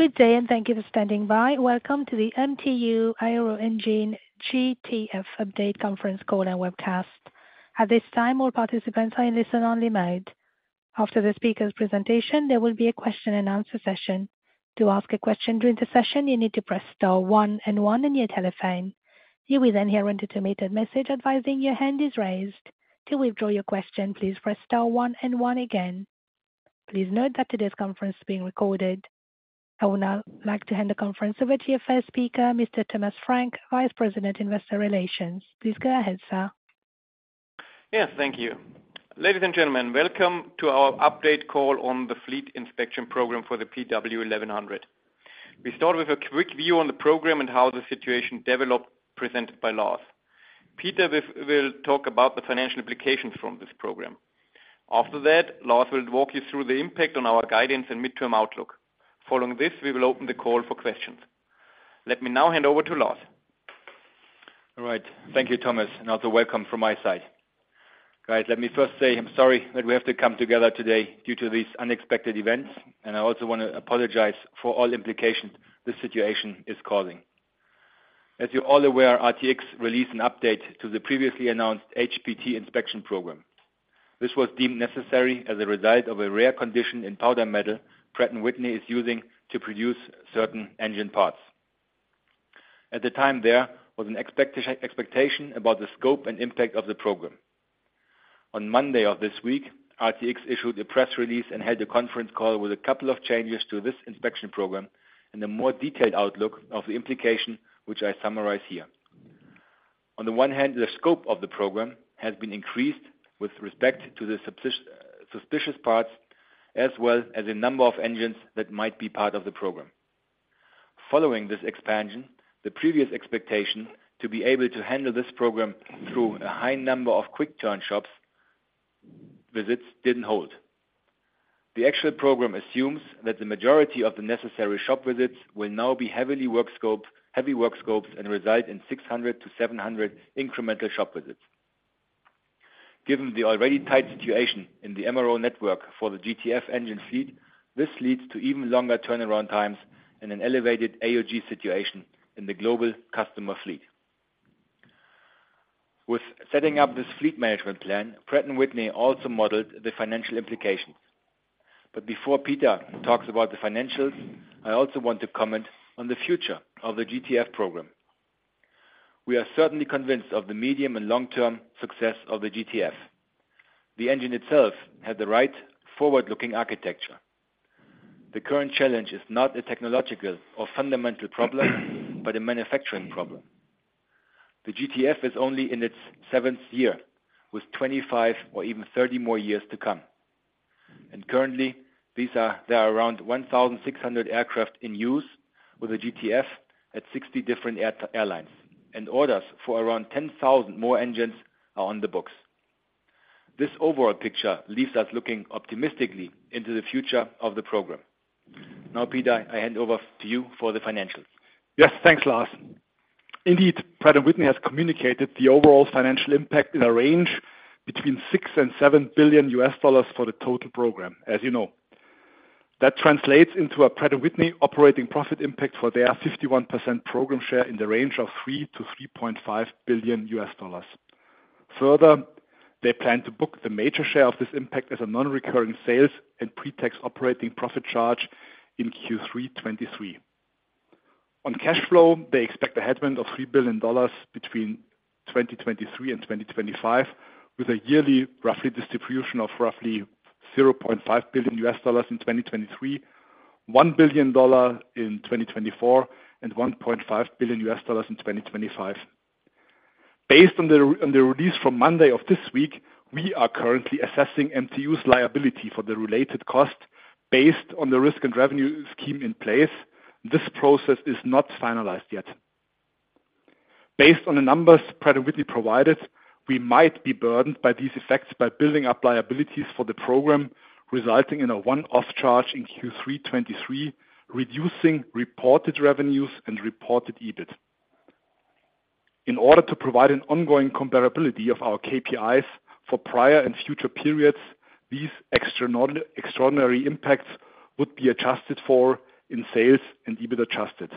Good day, and thank you for standing by. Welcome to the MTU Aero Engines GTF Update Conference Call and Webcast. At this time, all participants are in listen-only mode. After the speaker's presentation, there will be a question-and-answer session. To ask a question during the session, you need to press star one and one on your telephone. You will then hear an automated message advising your hand is raised. To withdraw your question, please press star one and one again. Please note that today's conference is being recorded. I would now like to hand the conference over to your first speaker, Mr. Thomas Franz, Vice President, Investor Relations. Please go ahead, sir. Yes, thank you. Ladies and gentlemen, welcome to our update call on the fleet inspection program for the PW1100. We start with a quick view on the program and how the situation developed, presented by Lars. Peter will talk about the financial implications from this program. After that, Lars will walk you through the impact on our guidance and midterm outlook. Following this, we will open the call for questions. Let me now hand over to Lars. All right, thank you, Thomas, and also welcome from my side. Guys, let me first say I'm sorry that we have to come together today due to these unexpected events, and I also want to apologize for all implications this situation is causing. As you're all aware, RTX released an update to the previously announced HPT inspection program. This was deemed necessary as a result of a rare condition in powder metal Pratt & Whitney is using to produce certain engine parts. At the time, there was an expectation about the scope and impact of the program. On Monday of this week, RTX issued a press release and held a conference call with a couple of changes to this inspection program and a more detailed outlook of the implication, which I summarize here. On the one hand, the scope of the program has been increased with respect to the suspicious parts, as well as a number of engines that might be part of the program. Following this expansion, the previous expectation to be able to handle this program through a high number of quick turn shop visits didn't hold. The actual program assumes that the majority of the necessary shop visits will now be heavily work-scoped heavy work scopes and reside in 600-700 incremental shop visits. Given the already tight situation in the MRO network for the GTF engine fleet, this leads to even longer turnaround times and an elevated AOG situation in the global customer fleet. With setting up this fleet management plan, Pratt & Whitney also modeled the financial implications. But before Peter talks about the financials, I also want to comment on the future of the GTF program. We are certainly convinced of the medium and long-term success of the GTF. The engine itself had the right forward-looking architecture. The current challenge is not a technological or fundamental problem, but a manufacturing problem. The GTF is only in its seventh year, with 25 or even 30 more years to come. And currently, there are around 1,600 aircraft in use with a GTF at 60 different airlines, and orders for around 10,000 more engines are on the books. This overall picture leaves us looking optimistically into the future of the program. Now, Peter, I hand over to you for the financials. Yes, thanks, Lars. Indeed, Pratt & Whitney has communicated the overall financial impact in a range between $6 billion-$7 billion for the total program, as you know. That translates into a Pratt & Whitney operating profit impact for their 51% program share in the range of $3 billion-$3.5 billion. Further, they plan to book the major share of this impact as a non-recurring sales and pre-tax operating profit charge in Q3 2023. On cash flow, they expect a headwind of $3 billion between 2023 and 2025, with a yearly roughly distribution of roughly $0.5 billion in 2023, $1 billion in 2024, and $1.5 billion in 2025. Based on the release from Monday of this week, we are currently assessing MTU's liability for the related cost based on the risk and revenue scheme in place. This process is not finalized yet. Based on the numbers Pratt & Whitney provided, we might be burdened by these effects by building up liabilities for the program, resulting in a one-off charge in Q3 2023, reducing reported revenues and reported EBIT. In order to provide an ongoing comparability of our KPIs for prior and future periods, these extraordinary impacts would be adjusted for in sales and EBIT adjusted.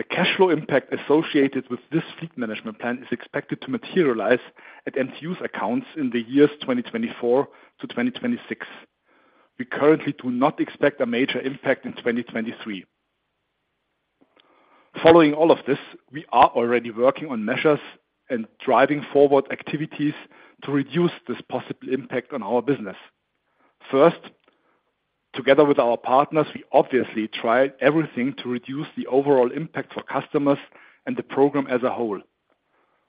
The cash flow impact associated with this fleet management plan is expected to materialize at MTU's accounts in the years 2024 to 2026. We currently do not expect a major impact in 2023. Following all of this, we are already working on measures and driving forward activities to reduce this possible impact on our business. First, together with our partners, we obviously tried everything to reduce the overall impact for customers and the program as a whole.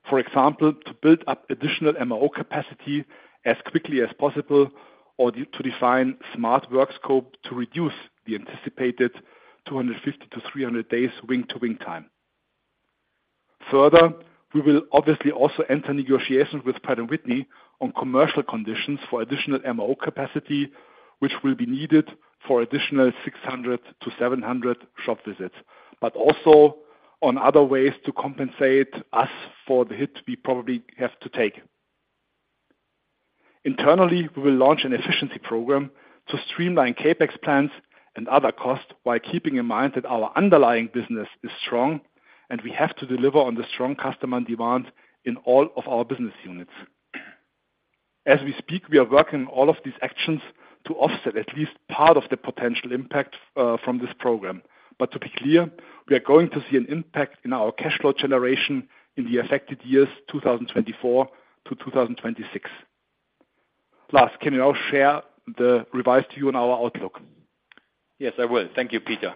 For example, to build up additional MRO capacity as quickly as possible or to design smart work scope to reduce the anticipated 250-300 days wing-to-wing time. Further, we will obviously also enter negotiations with Pratt & Whitney on commercial conditions for additional MRO capacity, which will be needed for additional 600-700 shop visits, but also on other ways to compensate us for the hit we probably have to take. Internally, we will launch an efficiency program to streamline CapEx plans and other costs, while keeping in mind that our underlying business is strong, and we have to deliver on the strong customer demand in all of our business units. As we speak, we are working all of these actions to offset at least part of the potential impact, from this program. But to be clear, we are going to see an impact in our cash flow generation in the affected years, 2024-2026. Lars, can you now share the revised view on our outlook? Yes, I will. Thank you, Peter.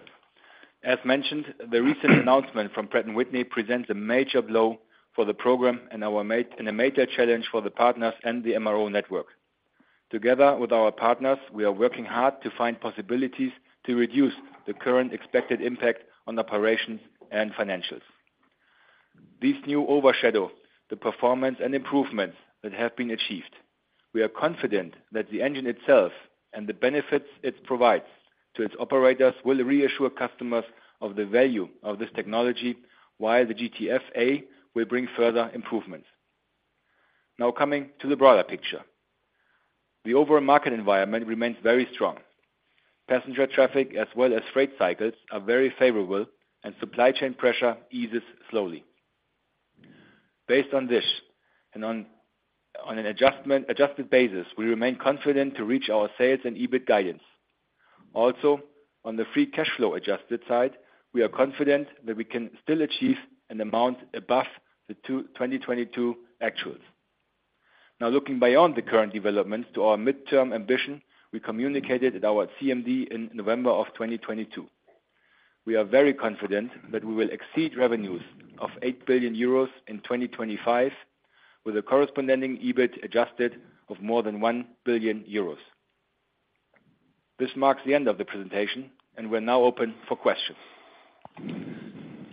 As mentioned, the recent announcement from Pratt & Whitney presents a major blow for the program and our major and a major challenge for the partners and the MRO network. Together with our partners, we are working hard to find possibilities to reduce the current expected impact on operations and financials. This news overshadows the performance and improvements that have been achieved. We are confident that the engine itself and the benefits it provides to its operators will reassure customers of the value of this technology, while the GTF A will bring further improvements. Now, coming to the broader picture. The overall market environment remains very strong. Passenger traffic as well as freight cycles are very favorable and supply chain pressure eases slowly. Based on this and on an adjusted basis, we remain confident to reach our sales and EBIT guidance. Also, on the free cash flow adjusted side, we are confident that we can still achieve an amount above the 2022 actuals. Now, looking beyond the current developments to our midterm ambition, we communicated at our CMD in November of 2022. We are very confident that we will exceed revenues of 8 billion euros in 2025, with a corresponding EBIT adjusted of more than 1 billion euros. This marks the end of the presentation, and we're now open for questions.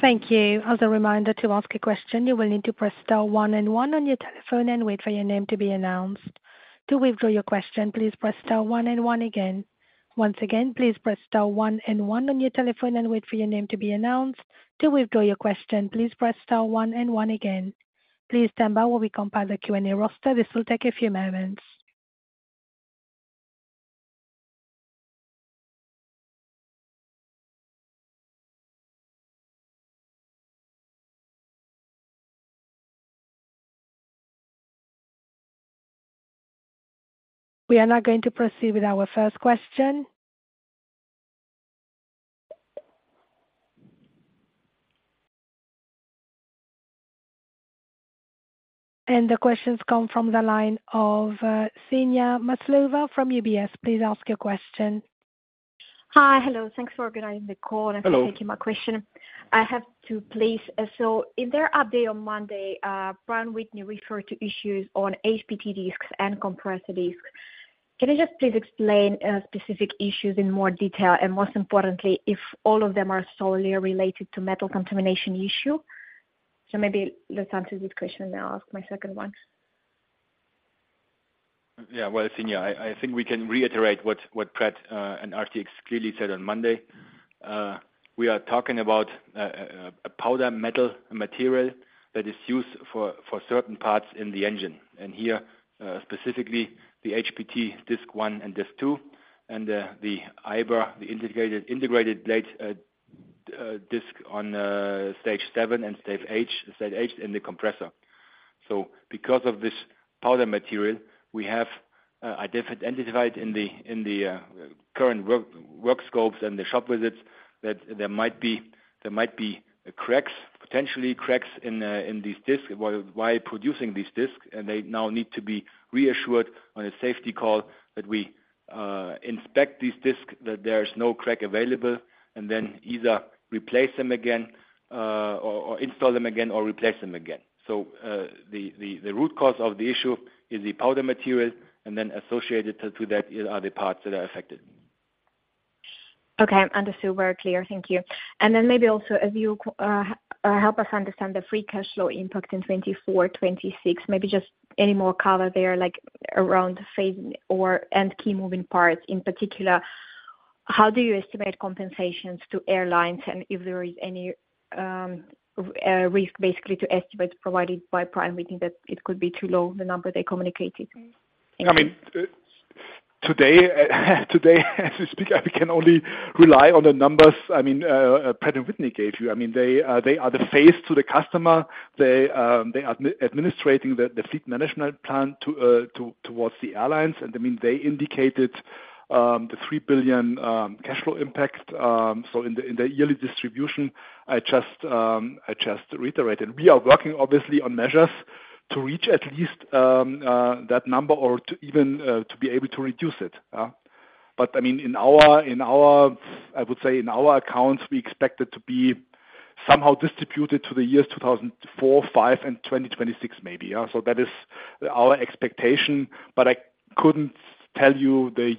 Thank you. As a reminder, to ask a question, you will need to press star one and one on your telephone and wait for your name to be announced. To withdraw your question, please press star one and one again. Once again, please press star one and one on your telephone and wait for your name to be announced. To withdraw your question, please press star one and one again. Please stand by while we compile the Q&A roster. This will take a few moments. We are now going to proceed with our first question. The questions come from the line of Kseniia Maslova from UBS. Please ask your question. Hi. Hello, thanks for organizing the call. Hello. Thank you for taking my question. I have two, please. So in their update on Monday, Pratt & Whitney referred to issues on HPT disks and compressor disks. Can you just please explain specific issues in more detail, and most importantly, if all of them are solely related to metal contamination issue? So maybe let's answer this question, then I'll ask my second one. Yeah, well, Ksenia, I think we can reiterate what Pratt and RTX clearly said on Monday. We are talking about a powder metal material that is used for certain parts in the engine, and here specifically the HPT disk 1 and disk 2, and the IBR, the integrated bladed disk on stage 7 and stage 8 of the compressor. So because of this powder material, we have identified in the current work scopes and the shop visits that there might be cracks, potentially cracks in these disks while producing these disks. They now need to be reassured on a safety call that we inspect these disks, that there is no crack available, and then either replace them again, or install them again, or replace them again. So, the root cause of the issue is the powder metal, and then associated to that are the parts that are affected. Okay, understood. Very clear. Thank you. Then maybe also, if you could help us understand the free cash flow impact in 2024, 2026. Maybe just any more color there, like around phasing or, and key moving parts. In particular, how do you estimate compensations to airlines? And if there is any risk, basically to estimates provided by Pratt, we think that it could be too low, the number they communicated. I mean, today, as we speak, we can only rely on the numbers, I mean, Pratt & Whitney gave you. I mean, they, they are the face to the customer. They, they administrating the, the fleet management plan to, to, towards the airlines. And, I mean, they indicated, the $3 billion cash flow impact. So in the, in the yearly distribution, I just, I just reiterated. We are working, obviously, on measures to reach at least, that number or to even, to be able to reduce it. But I mean, in our, in our, I would say in our accounts, we expect it to be somehow distributed to the years 2024, 2025 and 2026, maybe, so that is our expectation. But I couldn't tell you the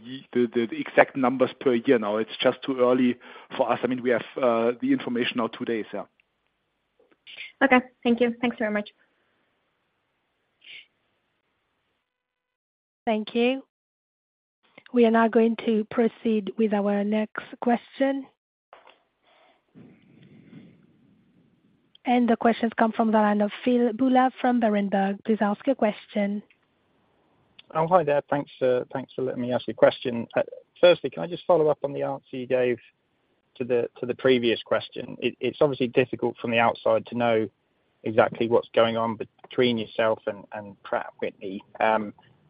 exact numbers per year now. It's just too early for us. I mean, we have the information of today, so. Okay, thank you. Thanks very much. Thank you. We are now going to proceed with our next question. The question's come from the line of Phil Buller from Berenberg. Please ask your question. Oh, hi there. Thanks, thanks for letting me ask a question. Firstly, can I just follow up on the answer you gave to the previous question? It's obviously difficult from the outside to know exactly what's going on between yourself and Pratt & Whitney.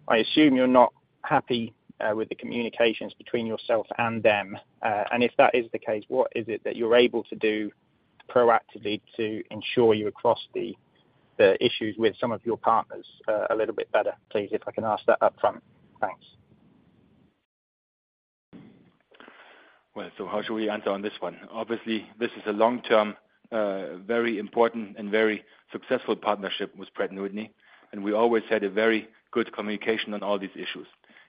I assume you're not happy with the communications between yourself and them. And if that is the case, what is it that you're able to do proactively to ensure you across the issues with some of your partners a little bit better, please, if I can ask that upfront? Thanks. Well, so how should we answer on this one? Obviously, this is a long-term, very important and very successful partnership with Pratt & Whitney, and we always had a very good communication on all these issues.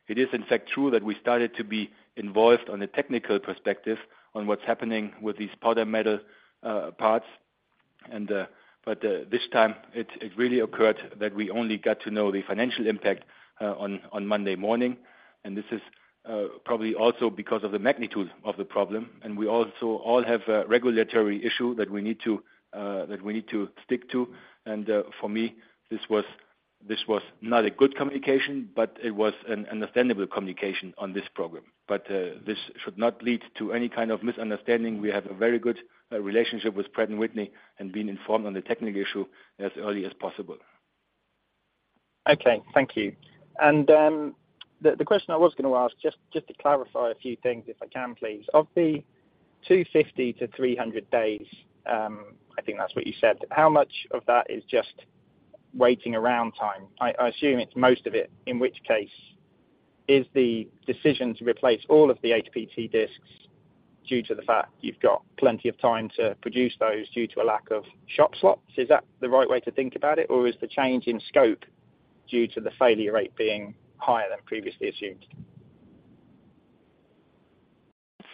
It is, in fact, true that we started to be involved on a technical perspective on what's happening with these Powder Metal parts. But this time it really occurred that we only got to know the financial impact on Monday morning, and this is probably also because of the magnitude of the problem. And we also all have a regulatory issue that we need to stick to. For me, this was not a good communication, but it was an understandable communication on this program. But this should not lead to any kind of misunderstanding. We have a very good relationship with Pratt & Whitney and been informed on the technical issue as early as possible. Okay. Thank you. And, the question I was gonna ask, just to clarify a few things, if I can, please. Of the 250-300 days, I think that's what you said, how much of that is just waiting around time? I assume it's most of it, in which case, is the decision to replace all of the HPT disks due to the fact you've got plenty of time to produce those due to a lack of shop slots? Is that the right way to think about it, or is the change in scope due to the failure rate being higher than previously assumed?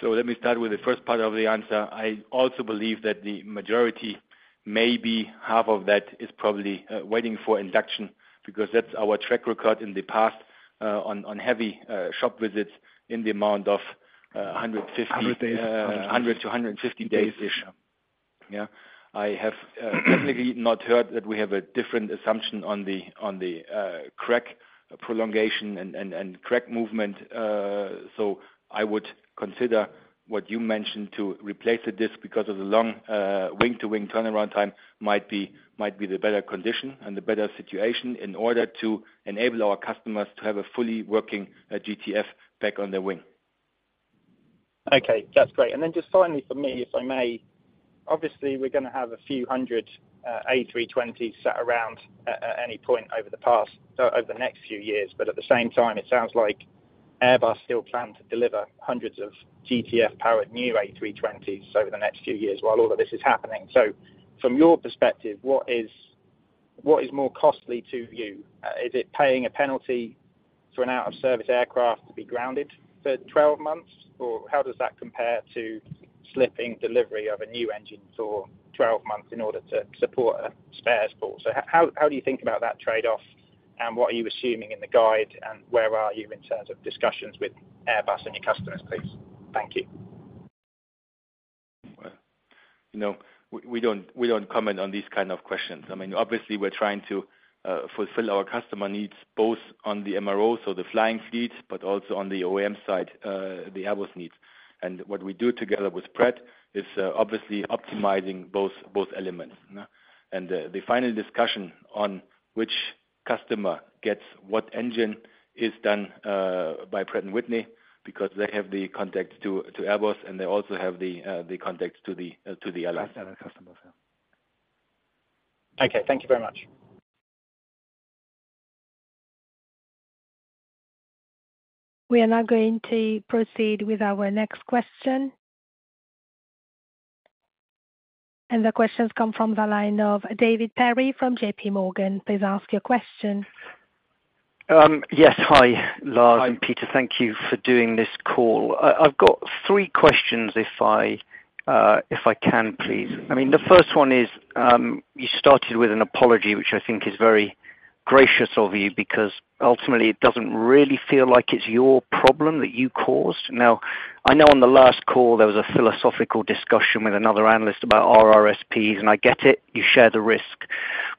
So let me start with the first part of the answer. I also believe that the majority, maybe half of that, is probably waiting for induction, because that's our track record in the past on heavy shop visits in the amount of 150- Hundred days. 100 to 150 days-ish. Yeah. I have technically not heard that we have a different assumption on the crack prolongation and crack movement. So I would consider what you mentioned to replace a disk because of the long wing-to-wing turnaround time might be the better condition and the better situation in order to enable our customers to have a fully working GTF back on their wing. Okay, that's great. And then just finally for me, if I may, obviously, we're gonna have a few hundred A320s sat around at any point over the next few years. But at the same time, it sounds like Airbus still plan to deliver hundreds of GTF-powered new A320s over the next few years while all of this is happening. So from your perspective, what is more costly to you? Is it paying a penalty for an out-of-service aircraft to be grounded for 12 months, or how does that compare to slipping delivery of a new engine for 12 months in order to support a spares pool? So how do you think about that trade-off, and what are you assuming in the guide, and where are you in terms of discussions with Airbus and your customers, please? Thank you. Well, you know, we don't comment on these kind of questions. I mean, obviously, we're trying to fulfill our customer needs, both on the MRO, so the flying fleet, but also on the OEM side, the Airbus needs. And what we do together with Pratt is obviously optimizing both elements. And the final discussion on which customer gets what engine is done by Pratt & Whitney, because they have the contacts to Airbus, and they also have the contacts to the allies- Other customers, yeah. Okay. Thank you very much. We are now going to proceed with our next question. The question's come from the line of David Perry from JPMorgan. Please ask your question. Yes. Hi, Lars- Hi. Peter, thank you for doing this call. I've got three questions if I can, please. Mm-hmm. I mean, the first one is, you started with an apology, which I think is very gracious of you, because ultimately, it doesn't really feel like it's your problem that you caused. Now, I know on the last call, there was a philosophical discussion with another analyst about RRSPs, and I get it, you share the risk.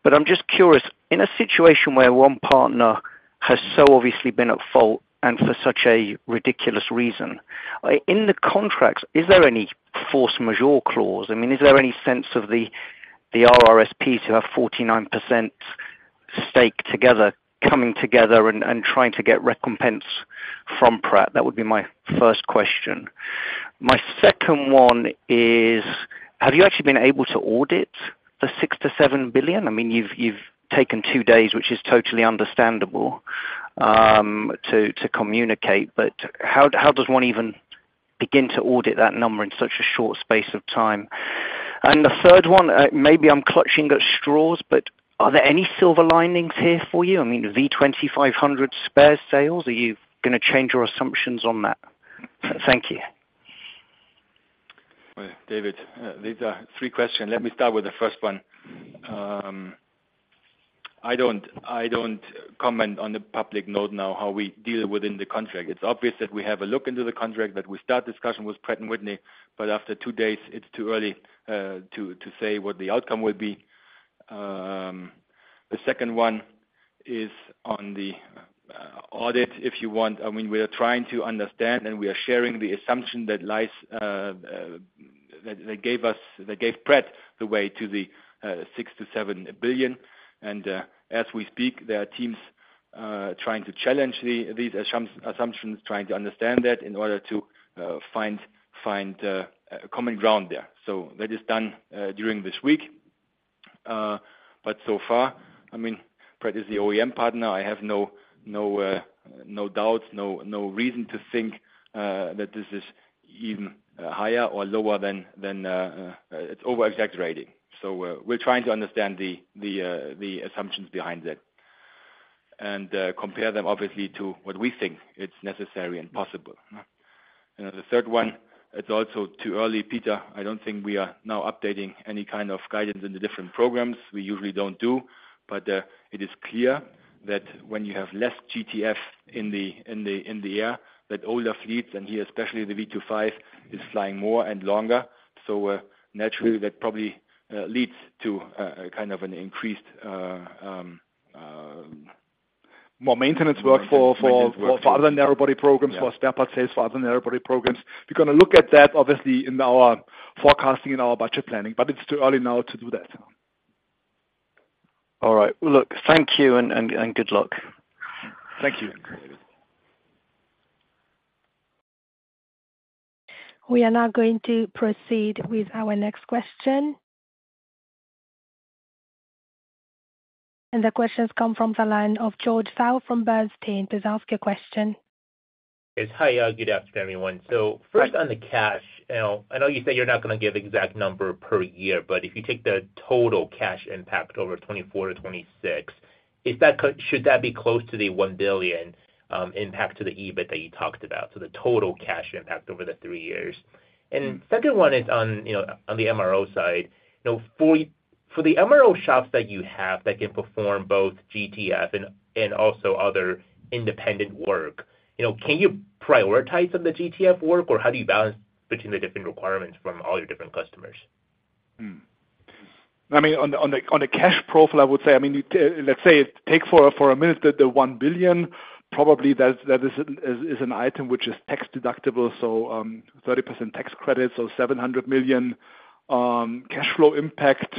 But I'm just curious, in a situation where one partner has so obviously been at fault, and for such a ridiculous reason, in the contracts, is there any force majeure clause? I mean, is there any sense of the, the RRSP to have 49% stake together, coming together and, and trying to get recompense from Pratt? That would be my first question. My second one is, have you actually been able to audit the $6 billion-$7 billion? I mean, you've taken two days, which is totally understandable, to communicate, but how does one even begin to audit that number in such a short space of time? And the third one, maybe I'm clutching at straws, but are there any silver linings here for you? I mean, the V2500 spare sales, are you gonna change your assumptions on that? Thank you. Well, David, these are three questions. Let me start with the first one. I don't, I don't comment on the public note now, how we deal within the contract. It's obvious that we have a look into the contract, that we start discussion with Pratt & Whitney, but after two days, it's too early to say what the outcome will be. The second one is on the audit, if you want. I mean, we are trying to understand, and we are sharing the assumption that gave Pratt the way to the $6 billion-$7 billion. And as we speak, there are teams trying to challenge these assumptions, trying to understand that in order to find common ground there. So that is done during this week. But so far, I mean, Pratt is the OEM partner. I have no, no, no doubts, no, no reason to think, that this is even, higher or lower than, than, it's over-exaggerating. So, we're trying to understand the, the, the assumptions behind that and, compare them obviously to what we think it's necessary and possible. And the third one, it's also too early, Peter. I don't think we are now updating any kind of guidance in the different programs. We usually don't do, but, it is clear that when you have less GTF in the, in the, in the air, that older fleets, and here, especially the V2500, is flying more and longer. Naturally, that probably leads to a kind of an increased more maintenance work for other narrow body programs, for standard sales, for other narrow body programs. We're going to look at that obviously in our forecasting, in our budget planning, but it's too early now to do that. All right. Well, look, thank you and good luck. Thank you. We are now going to proceed with our next question. The question comes from the line of George Zhao from Bernstein. Please ask your question. Hi, good afternoon, everyone. So first on the cash, you know, I know you said you're not going to give exact number per year, but if you take the total cash impact over 2024-2026, is that, should that be close to the 1 billion impact to the EBIT that you talked about, so the total cash impact over the three years? And second one is on, you know, on the MRO side, you know, for the MRO shops that you have that can perform both GTF and also other independent work, you know, can you prioritize on the GTF work, or how do you balance between the different requirements from all your different customers? Hmm. I mean, on the cash profile, I would say, I mean, let's say it takes for a minute, the one billion, probably that's an item which is tax deductible, so 30% tax credit, so 700 million cash flow impact.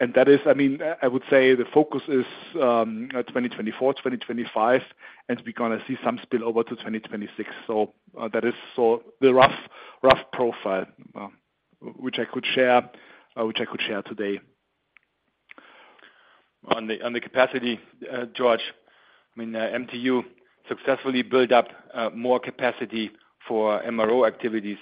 That is—I mean, I would say the focus is 2024, 2025, and we're going to see some spill over to 2026. So that is the rough profile which I could share today. On the capacity, George, I mean, MTU successfully build up more capacity for MRO activities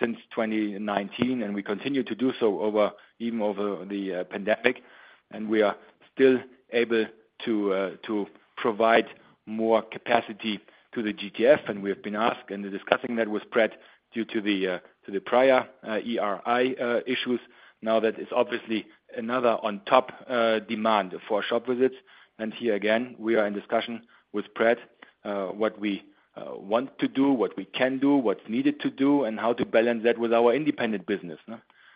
since 2019, and we continue to do so over, even over the pandemic. And we are still able to to provide more capacity to the GTF. And we have been asked, and discussing that with Pratt, due to the to the prior ERI issues. Now, that is obviously another on top demand for shop visits. And here again, we are in discussion with Pratt, what we want to do, what we can do, what's needed to do, and how to balance that with our independent business.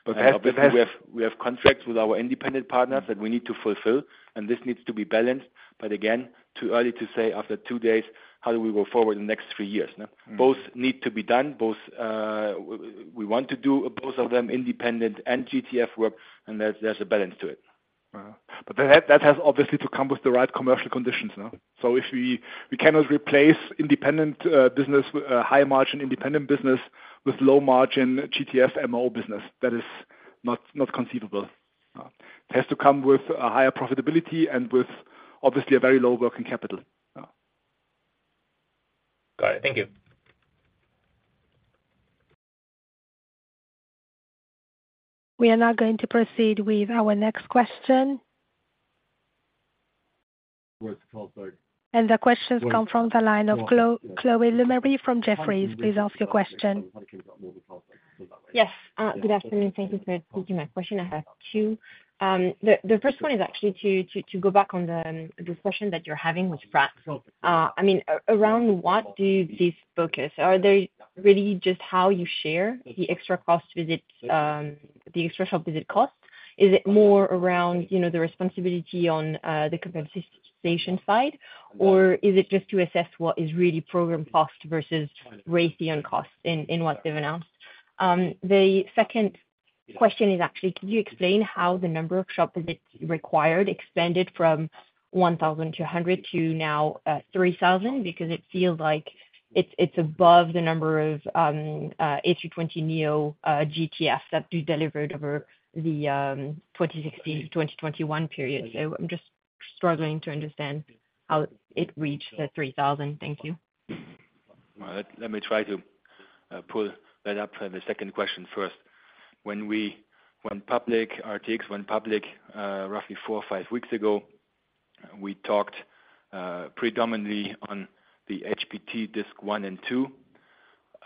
Because obviously, we have we have contracts with our independent partners that we need to fulfill, and this needs to be balanced. But again, too early to say after two days, how do we go forward the next three years? Both need to be done. Both, we want to do both of them, independent and GTF work, and there's a balance to it. But that has obviously to come with the right commercial conditions now. So if we cannot replace independent business with high margin independent business, with low margin GTF MRO business. That is not conceivable, it has to come with a higher profitability and with obviously a very low working capital. Got it. Thank you. We are now going to proceed with our next question. The question comes from the line of Chloe Lemarie from Jefferies. Please ask your question. Yes, good afternoon. Thank you for taking my question. I have two. The first one is actually to go back on the discussion that you're having with Pratt. I mean, around what do these focus? Are they really just how you share the extra cost visits, the extra shop visit costs? Is it more around, you know, the responsibility on the compensation side, or is it just to assess what is really program cost versus Raytheon costs in what they've announced? The second question is actually, could you explain how the number of shop visits required expanded from 1,200 to now 3,000? Because it feels like it's above the number of A320neo GTFs that you delivered over the 2016 to 2021 period. I'm just struggling to understand how it reached the 3,000. Thank you. Well, let me try to pull that up for the second question first. When we went public, RTX went public roughly four or five weeks ago. We talked predominantly on the HPT disk 1 and 2...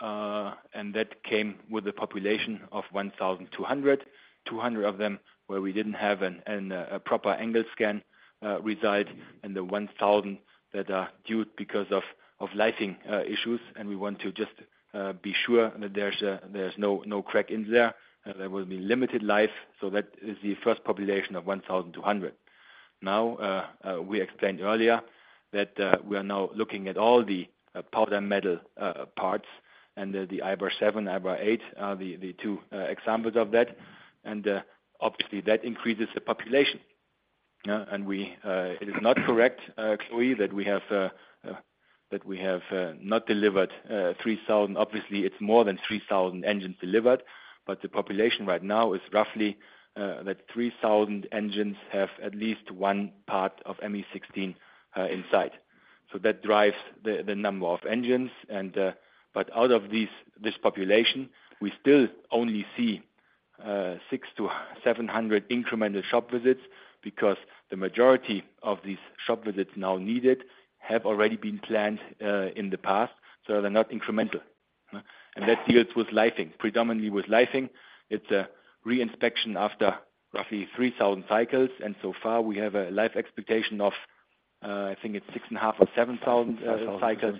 and that came with a population of 1,200, 200 of them, where we didn't have an a proper angle scan record, and the 1,000 that are due because of licensing issues. And we want to just be sure that there's no crack in there, and there will be limited life. So that is the first population of 1,200. Now, we explained earlier that we are now looking at all the powder metal parts, and the IBR 7, IBR 8 are the two examples of that. Obviously, that increases the population. And we, it is not correct, Chloe, that we have not delivered 3,000. Obviously, it's more than 3,000 engines delivered, but the population right now is roughly that 3,000 engines have at least one part of ME16 inside. So that drives the number of engines and, but out of this population, we still only see 600-700 incremental shop visits, because the majority of these shop visits now needed have already been planned in the past, so they're not incremental. And that deals with licensing, predominantly with licensing. It's a re-inspection after roughly 3,000 cycles, and so far we have a life expectation of, I think it's 6,500 or 7,000 cycles,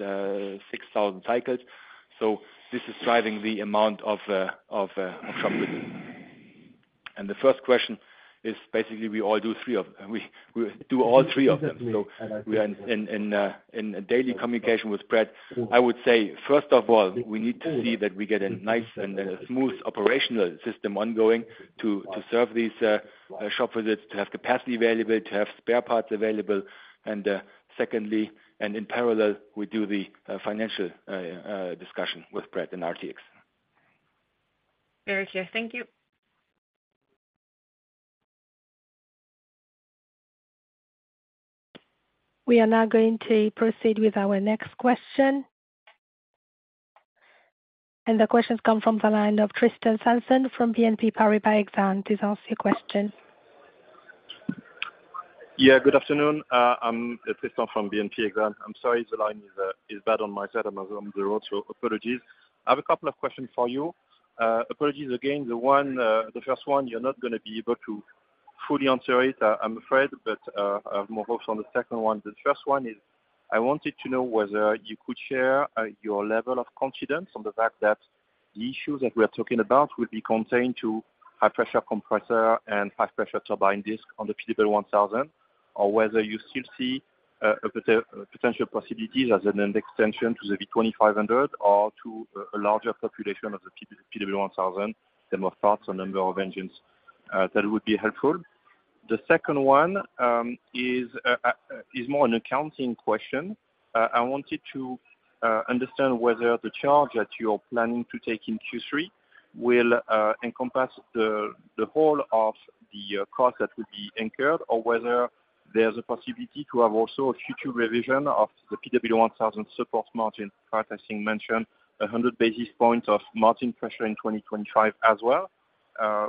5,000-6,000 cycles. So this is driving the amount of shop visits. And the first question is basically, we all do three of them. We do all three of them, so we are in daily communication with Pratt. I would say, first of all, we need to see that we get a nice and a smooth operational system ongoing to serve these shop visits, to have capacity available, to have spare parts available. And secondly, and in parallel, we do the financial discussion with Pratt and RTX. Very clear. Thank you. We are now going to proceed with our next question. The question comes from the line of Tristan Sanson from BNP Paribas Exane. Please ask your question. Yeah, good afternoon. I'm Tristan from BNP Paribas Exane. I'm sorry, the line is bad on my side. I'm on the road, so apologies. I have a couple of questions for you. Apologies again. The first one, you're not going to be able to fully answer it, I'm afraid, but I have more hopes on the second one. The first one is, I wanted to know whether you could share your level of confidence on the fact that the issues that we are talking about will be contained to high pressure compressor and high pressure turbine disk on the PW1000, or whether you still see a potential possibilities as an extension to the V2500 or to a larger population of the PW1000, the more parts or number of engines? That would be helpful. The second one is more an accounting question. I wanted to understand whether the charge that you're planning to take in Q3 will encompass the whole of the cost that would be incurred, or whether there's a possibility to have also a future revision of the PW1000 support margin. Pratt, I think, mentioned 100 basis points of margin pressure in 2025 as well.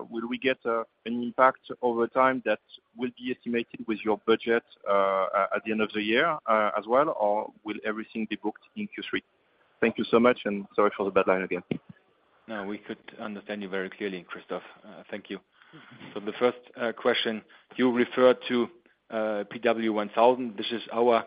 Will we get an impact over time that will be estimated with your budget at the end of the year as well, or will everything be booked in Q3? Thank you so much, and sorry for the bad line again. No, we could understand you very clearly, Tristan. Thank you. So the first question, you referred to PW1000. This is our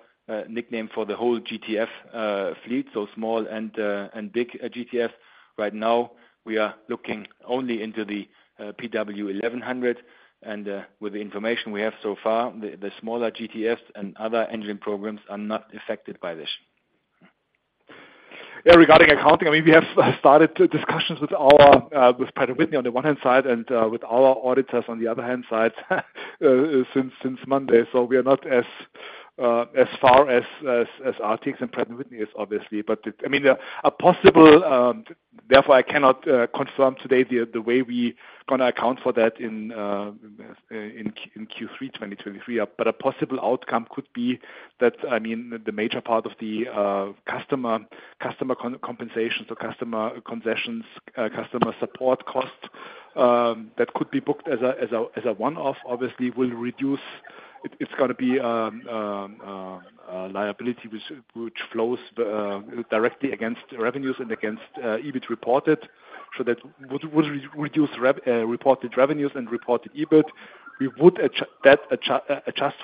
nickname for the whole GTF fleet, so small and big GTF. Right now, we are looking only into the PW1100, and with the information we have so far, the smaller GTFs and other engine programs are not affected by this. Yeah, regarding accounting, I mean, we have started discussions with our with Pratt & Whitney on the one hand side and with our auditors on the other hand side, since Monday. So we are not as far as RTX and Pratt & Whitney is obviously, but I mean, a possible... Therefore, I cannot confirm today the way we're going to account for that in Q3 2023. But a possible outcome could be that, I mean, the major part of the customer compensation, so customer concessions, customer support costs, that could be booked as a one-off, obviously will reduce. It's going to be liability which flows directly against revenues and against EBIT reported. So that would reduce reported revenues and reported EBIT. We would adjust that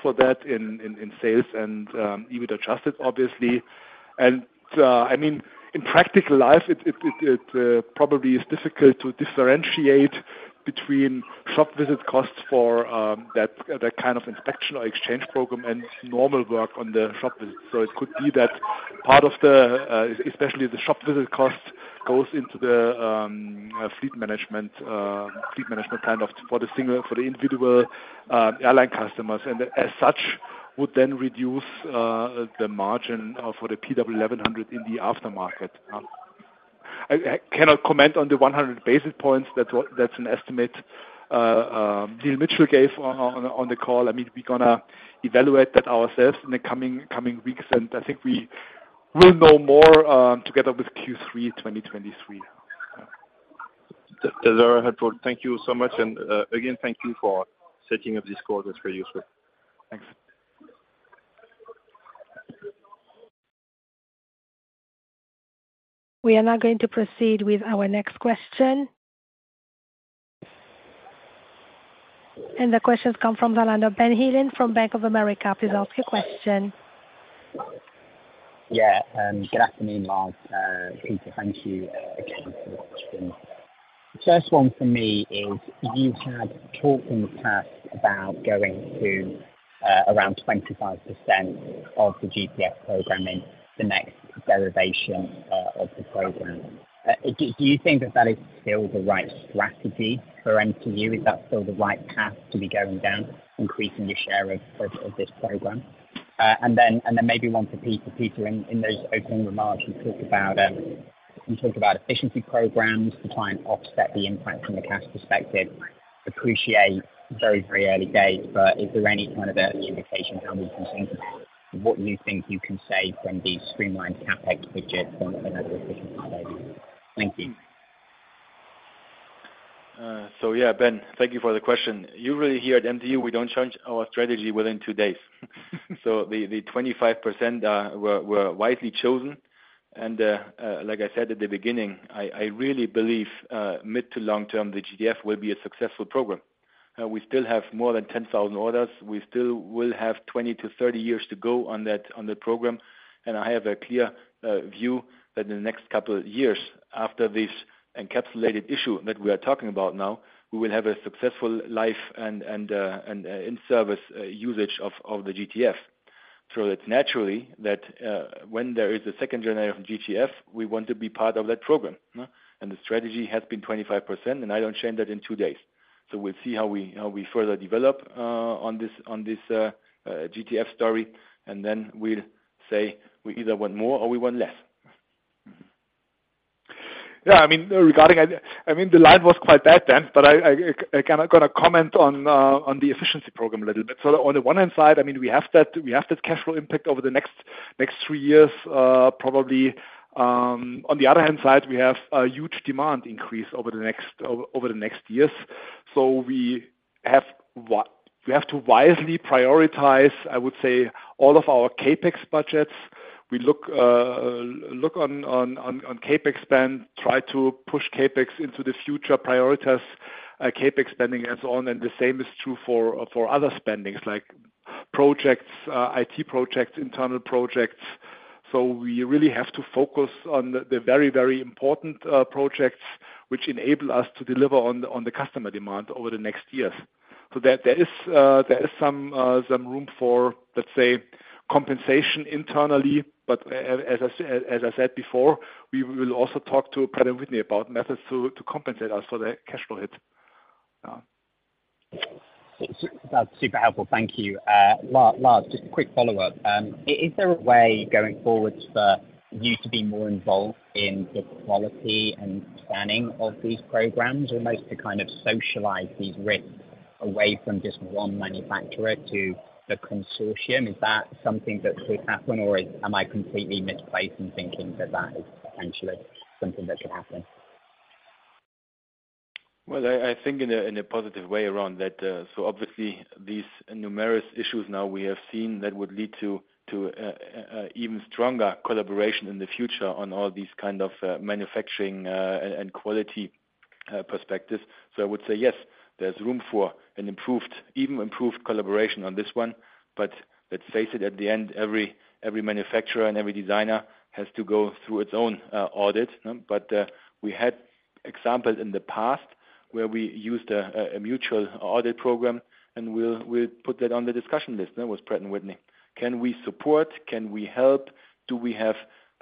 for that in sales and EBIT adjusted, obviously. And I mean, in practical life, it probably is difficult to differentiate between shop visit costs for that kind of inspection or exchange program and normal work on the shop visit. So it could be that part of the, especially the shop visit cost, goes into the fleet management kind of for the single, for the individual airline customers, and as such, would then reduce the margin for the PW1100 in the aftermarket. I cannot comment on the 100 basis points. That's an estimate Neil Mitchill gave on the call. I mean, we're gonna evaluate that ourselves in the coming weeks, and I think we will know more together with Q3 2023. That’s helpful. Thank you so much. And again, thank you for setting up this call. That's very useful. Thanks. We are now going to proceed with our next question. The question comes from the line of Ben Heelan from Bank of America. Please ask your question. Yeah, good afternoon, Lars. Peter, thank you again for the questions. First one for me is: you have talked in the past about going to around 25% of the GTF programming, the next derivation of the program. Do you think that that is still the right strategy for MTU? Is that still the right path to be going down, increasing your share of this program? And then maybe one for Peter. Peter, in those opening remarks, you talked about efficiency programs to try and offset the impact from the cash perspective. Appreciate very, very early days, but is there any kind of early indication how we can think about what you think you can save from the streamlined CapEx budget from an efficiency perspective? Thank you. So yeah, Ben, thank you for the question. Here at MTU, we don't change our strategy within two days. So the 25% were wisely chosen. And like I said at the beginning, I really believe mid- to long-term, the GTF will be a successful program. We still have more than 10,000 orders. We still will have 20-30 years to go on that program. And I have a clear view that in the next couple of years after this encapsulated issue that we are talking about now, we will have a successful life and in-service usage of the GTF. So it's natural that when there is a second generation of GTF, we want to be part of that program, huh? The strategy has been 25%, and I don't change that in two days. We'll see how we further develop on this GTF story, and then we'll say we either want more or we want less. Yeah, I mean, regarding, I mean, the line was quite that dense, but I kind of got a comment on the efficiency program a little bit. So on the one hand side, I mean, we have that cash flow impact over the next three years, probably. On the other hand side, we have a huge demand increase over the next years. So we have to wisely prioritize, I would say, all of our CapEx budgets. We look on CapEx spend, try to push CapEx into the future, prioritize CapEx spending and so on, and the same is true for other spendings, like projects, IT projects, internal projects. So we really have to focus on the very, very important projects, which enable us to deliver on the customer demand over the next years. So there is some room for, let's say, compensation internally. But as I said, as I said before, we will also talk to Pratt & Whitney about methods to compensate us for the cash flow hit. That's super helpful. Thank you. Lars, just a quick follow-up. Is there a way going forward for you to be more involved in the quality and planning of these programs, almost to kind of socialize these risks away from just one manufacturer to the consortium? Is that something that could happen, or am I completely misplaced in thinking that that is potentially something that could happen? Well, I think in a positive way around that, so obviously these numerous issues now we have seen that would lead to even stronger collaboration in the future on all these kind of manufacturing and quality perspectives. So I would say yes, there's room for an improved, even improved collaboration on this one, but let's face it, at the end, every manufacturer and every designer has to go through its own audit. But we had examples in the past where we used a mutual audit program, and we'll put that on the discussion list now with Pratt & Whitney. Can we support? Can we help? Do we have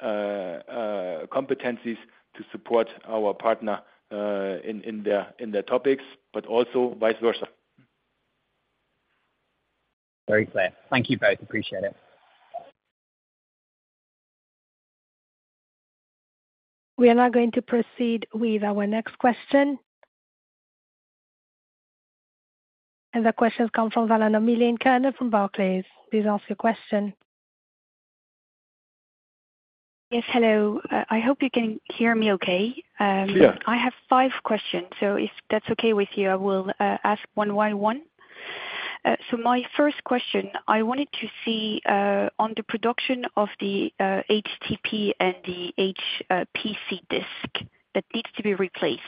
competencies to support our partner in their topics, but also vice versa? Very clear. Thank you both. Appreciate it. We are now going to proceed with our next question. The question comes from the line of Milene Kerner from Barclays. Please ask your question. Yes. Hello, I hope you can hear me okay. Yeah. I have five questions, so if that's okay with you, I will ask one by one. So my first question, I wanted to see on the production of the HPT and the HPC disk that needs to be replaced.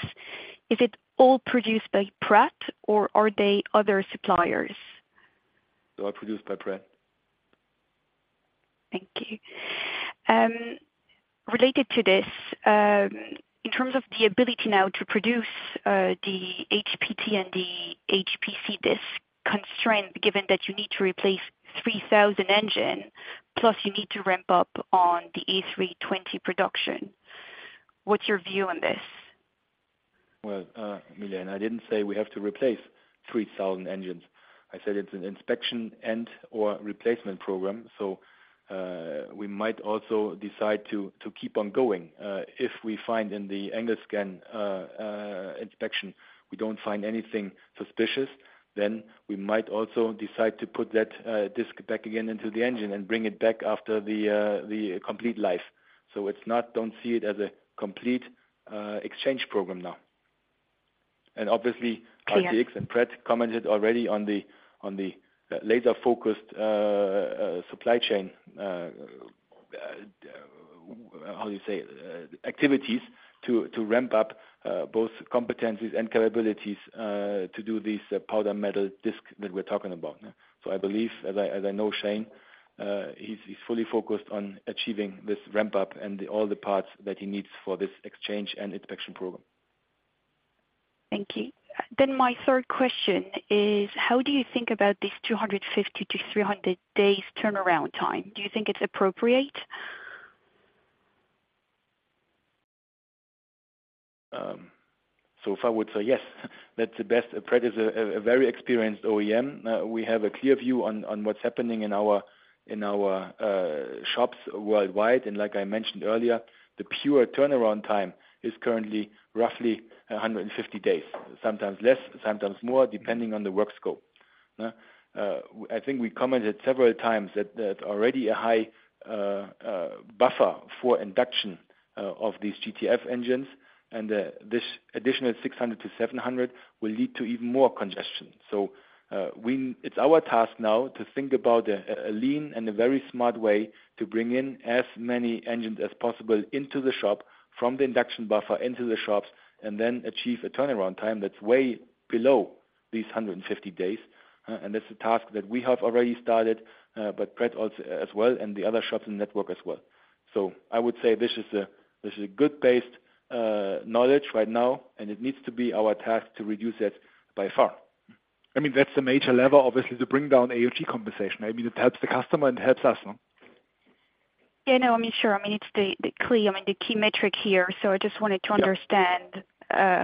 Is it all produced by Pratt, or are there other suppliers? They are produced by Pratt. Thank you. Related to this, in terms of the ability now to produce the HPT and the HPC disk constraint, given that you need to replace 3,000 engine, plus you need to ramp up on the A320 production, what's your view on this? Well, Milene, I didn't say we have to replace 3,000 engines. I said it's an inspection and/or replacement program, so, we might also decide to keep on going. If we find in the angle scan inspection, we don't find anything suspicious, then we might also decide to put that disk back again into the engine and bring it back after the complete life. So it's not--don't see it as a complete exchange program now. And obviously, RTX and Pratt commented already on the laser focused supply chain, how do you say, to ramp up both competencies and capabilities to do this powder metal disk that we're talking about. I believe, as I know, Shane, he's fully focused on achieving this ramp up and all the parts that he needs for this exchange and inspection program. Thank you. Then my third question is: how do you think about this 250-300 days turnaround time? Do you think it's appropriate? So if I would say yes, that's the best. Pratt is a very experienced OEM. We have a clear view on what's happening in our shops worldwide. And like I mentioned earlier, the pure turnaround time is currently roughly 150 days, sometimes less, sometimes more, depending on the work scope. I think we commented several times that already a high buffer for induction of these GTF engines, and this additional 600-700 will lead to even more congestion. It's our task now to think about a lean and a very smart way to bring in as many engines as possible into the shop, from the induction buffer into the shops, and then achieve a turnaround time that's way below these 150 days. That's a task that we have already started, but Pratt also as well, and the other shops in the network as well. So I would say this is a good base knowledge right now, and it needs to be our task to reduce it by far. I mean, that's the major level, obviously, to bring down AOG compensation. Maybe that helps the customer and helps us, no? Yeah, no, I mean, sure. I mean, it's the key metric here. So I just wanted to- Yeah. Understand,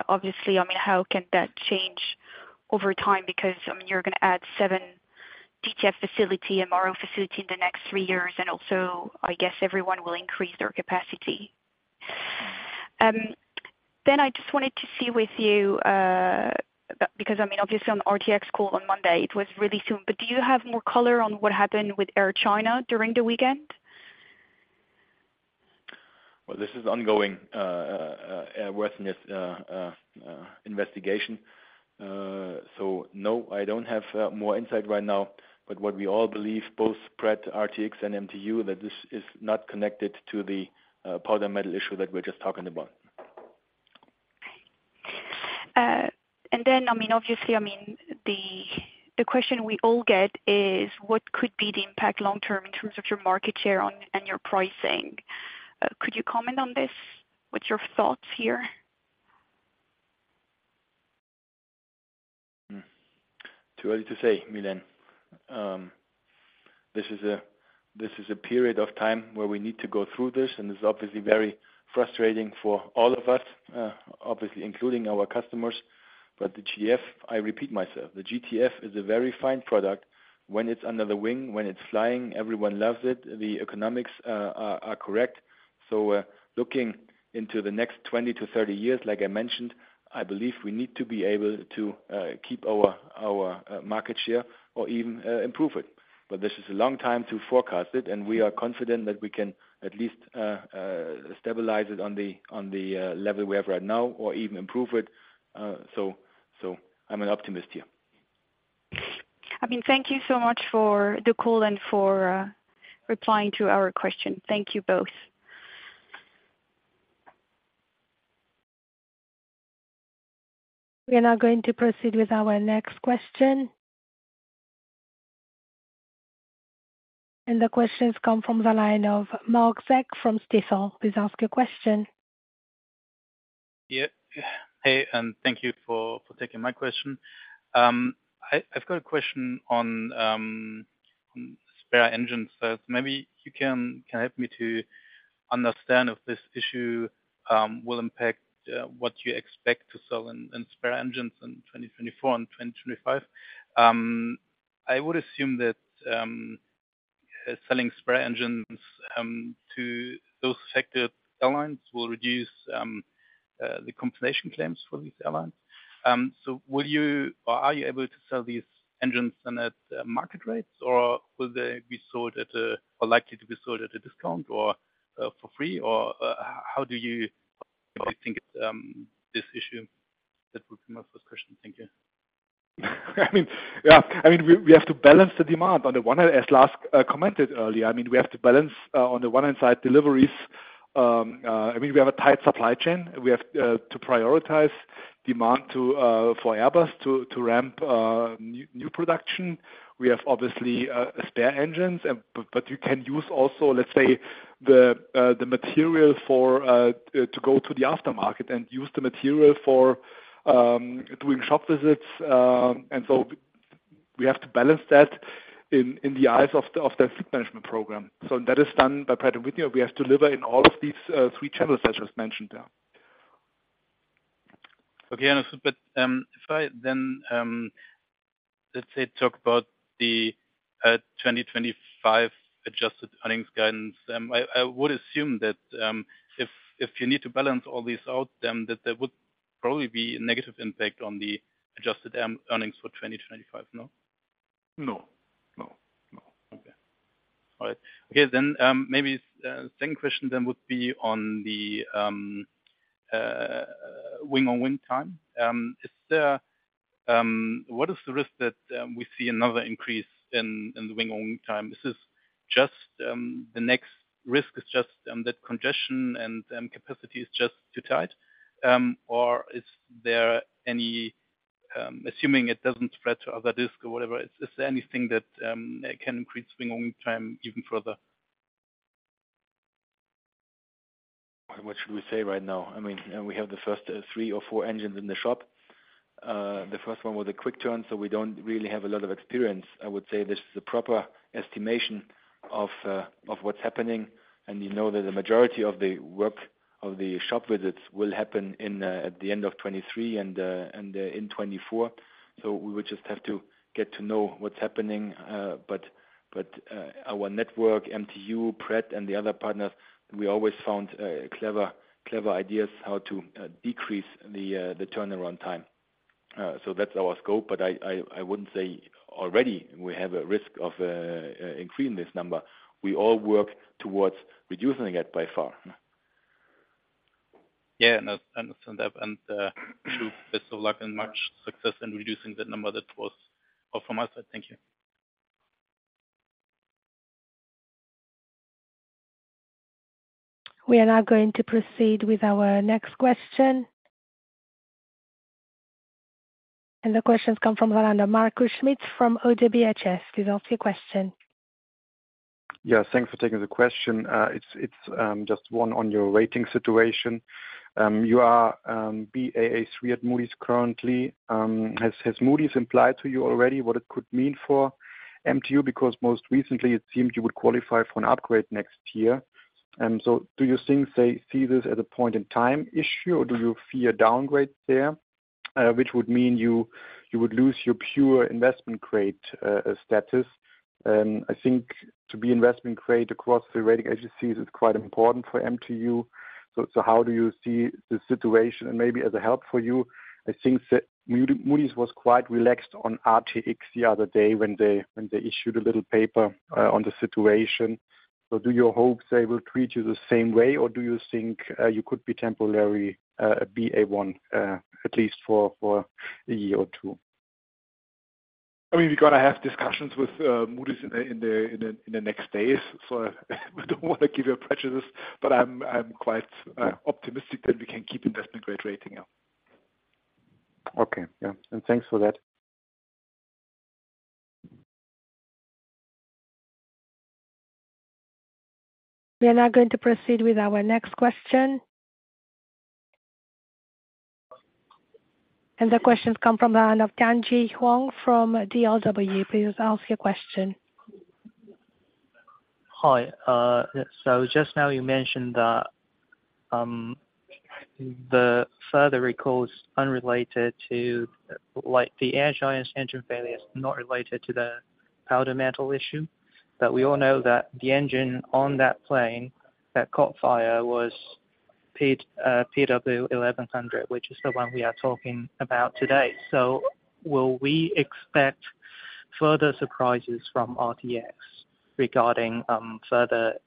obviously, I mean, how can that change over time? Because, I mean, you're going to add 7 GTF facility and MRO facility in the next three years, and also, I guess, everyone will increase their capacity. Then I just wanted to see with you, because, I mean, obviously on RTX call on Monday, it was really soon. But do you have more color on what happened with Air China during the weekend? Well, this is ongoing airworthiness investigation. So no, I don't have more insight right now, but what we all believe, both Pratt, RTX, and MTU, that this is not connected to the powder metal issue that we're just talking about. And then, I mean, obviously, I mean, the question we all get is: what could be the impact long term in terms of your market share, and your pricing? Could you comment on this? What's your thoughts here? Hmm. Too early to say, Milen. This is a period of time where we need to go through this, and it's obviously very frustrating for all of us, obviously, including our customers. But the GTF, I repeat myself, the GTF is a very fine product. When it's under the wing, when it's flying, everyone loves it. The economics are correct. So, looking into the next 20-30 years, like I mentioned, I believe we need to be able to keep our market share or even improve it. But this is a long time to forecast it, and we are confident that we can at least stabilize it on the level we have right now or even improve it. So, I'm an optimist here. I mean, thank you so much for the call and for replying to our question. Thank you both. We are now going to proceed with our next question. The questions come from the line of Marc Zeck from Stifel. Please ask your question. Yeah. Hey, and thank you for taking my question. I've got a question on spare engines that maybe you can help me to understand if this issue will impact what you expect to sell in spare engines in 2024 and 2025. I would assume that selling spare engines to those affected airlines will reduce the compensation claims for these airlines. So will you or are you able to sell these engines then at market rates, or will they be sold at a, or likely to be sold at a discount, or for free? Or how do you think this issue? That would be my first question. Thank you. I mean, yeah. I mean, we have to balance the demand. On the one hand, as Lars commented earlier, I mean, we have to balance on the one hand side, deliveries. I mean, we have a tight supply chain. We have to prioritize demand to for Airbus to ramp new production. We have obviously spare engines, but you can use also, let's say, the material for to go to the aftermarket and use the material for doing shop visits. And so we have to balance that in the eyes of the fleet management program. So that is done by Pratt & Whitney. We have to deliver in all of these three channels I just mentioned there. Okay, I understand. But, if I then, let's say, talk about the 2025 adjusted earnings guidance, I would assume that, if you need to balance all this out, then that there would probably be a negative impact on the adjusted earnings for 2025, no? No, no.... All right. Okay, then, maybe same question then would be on the wing-to-wing time. What is the risk that we see another increase in the wing-to-wing time? Is this just the next risk is just that congestion and capacity is just too tight? Or is there any, assuming it doesn't spread to other disk or whatever, is there anything that can increase wing-to-wing time even further? What should we say right now? I mean, we have the first 3 or 4 engines in the shop. The first one was a quick turn, so we don't really have a lot of experience. I would say this is a proper estimation of what's happening, and you know that the majority of the work of the shop visits will happen in at the end of 2023 and in 2024. So we will just have to get to know what's happening. But our network, MTU, Pratt and the other partners, we always found clever ideas how to decrease the turnaround time. So that's our scope, but I wouldn't say already we have a risk of increasing this number. We all work towards reducing it by far. Yeah, and I understand that, and, best of luck and much success in reducing the number that was all from our side. Thank you. We are now going to proceed with our next question. The question comes from Orlando. Marius Schmitz from ODDO BHF, please ask your question. Yeah, thanks for taking the question. It's just one on your rating situation. You are Baa3 at Moody's currently. Has Moody's implied to you already what it could mean for MTU? Because most recently, it seemed you would qualify for an upgrade next year. And so do you think they see this as a point in time issue, or do you fear downgrade there? Which would mean you would lose your pure investment grade status. I think to be investment grade across the rating agencies is quite important for MTU. So how do you see the situation? And maybe as a help for you, I think that Moody's was quite relaxed on RTX the other day when they issued a little paper on the situation. So do you hope they will treat you the same way, or do you think you could be temporary Baa1, at least for a year or two? I mean, we've got to have discussions with Moody's in the next days. So we don't want to give you a prejudice, but I'm quite optimistic that we can keep investment grade rating, yeah. Okay. Yeah, and thanks for that. We are now going to proceed with our next question. The question comes from the line of Danji Huang from DLW. Please ask your question. Hi, so just now you mentioned that the further recalls unrelated to, like, the Air China engine failure is not related to the powder metal issue. But we all know that the engine on that plane that caught fire was PW1100, which is the one we are talking about today. So will we expect further surprises from RTX regarding further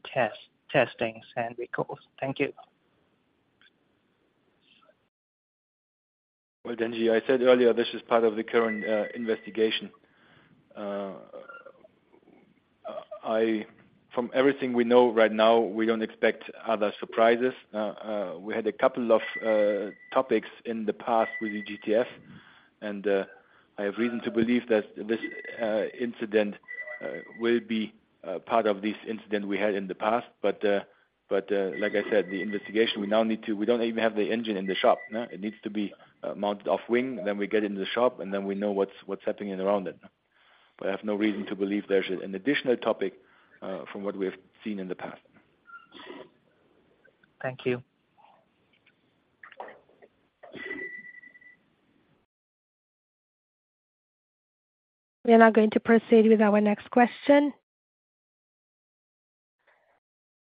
testings and recalls? Thank you. Well, Danji, I said earlier, this is part of the current investigation. From everything we know right now, we don't expect other surprises. We had a couple of topics in the past with the GTF, and I have reason to believe that this incident will be part of this incident we had in the past. But, like I said, the investigation, we now need to... We don't even have the engine in the shop. No, it needs to be mounted off wing. Then we get into the shop, and then we know what's happening around it. But I have no reason to believe there's an additional topic from what we have seen in the past. Thank you. We are now going to proceed with our next question.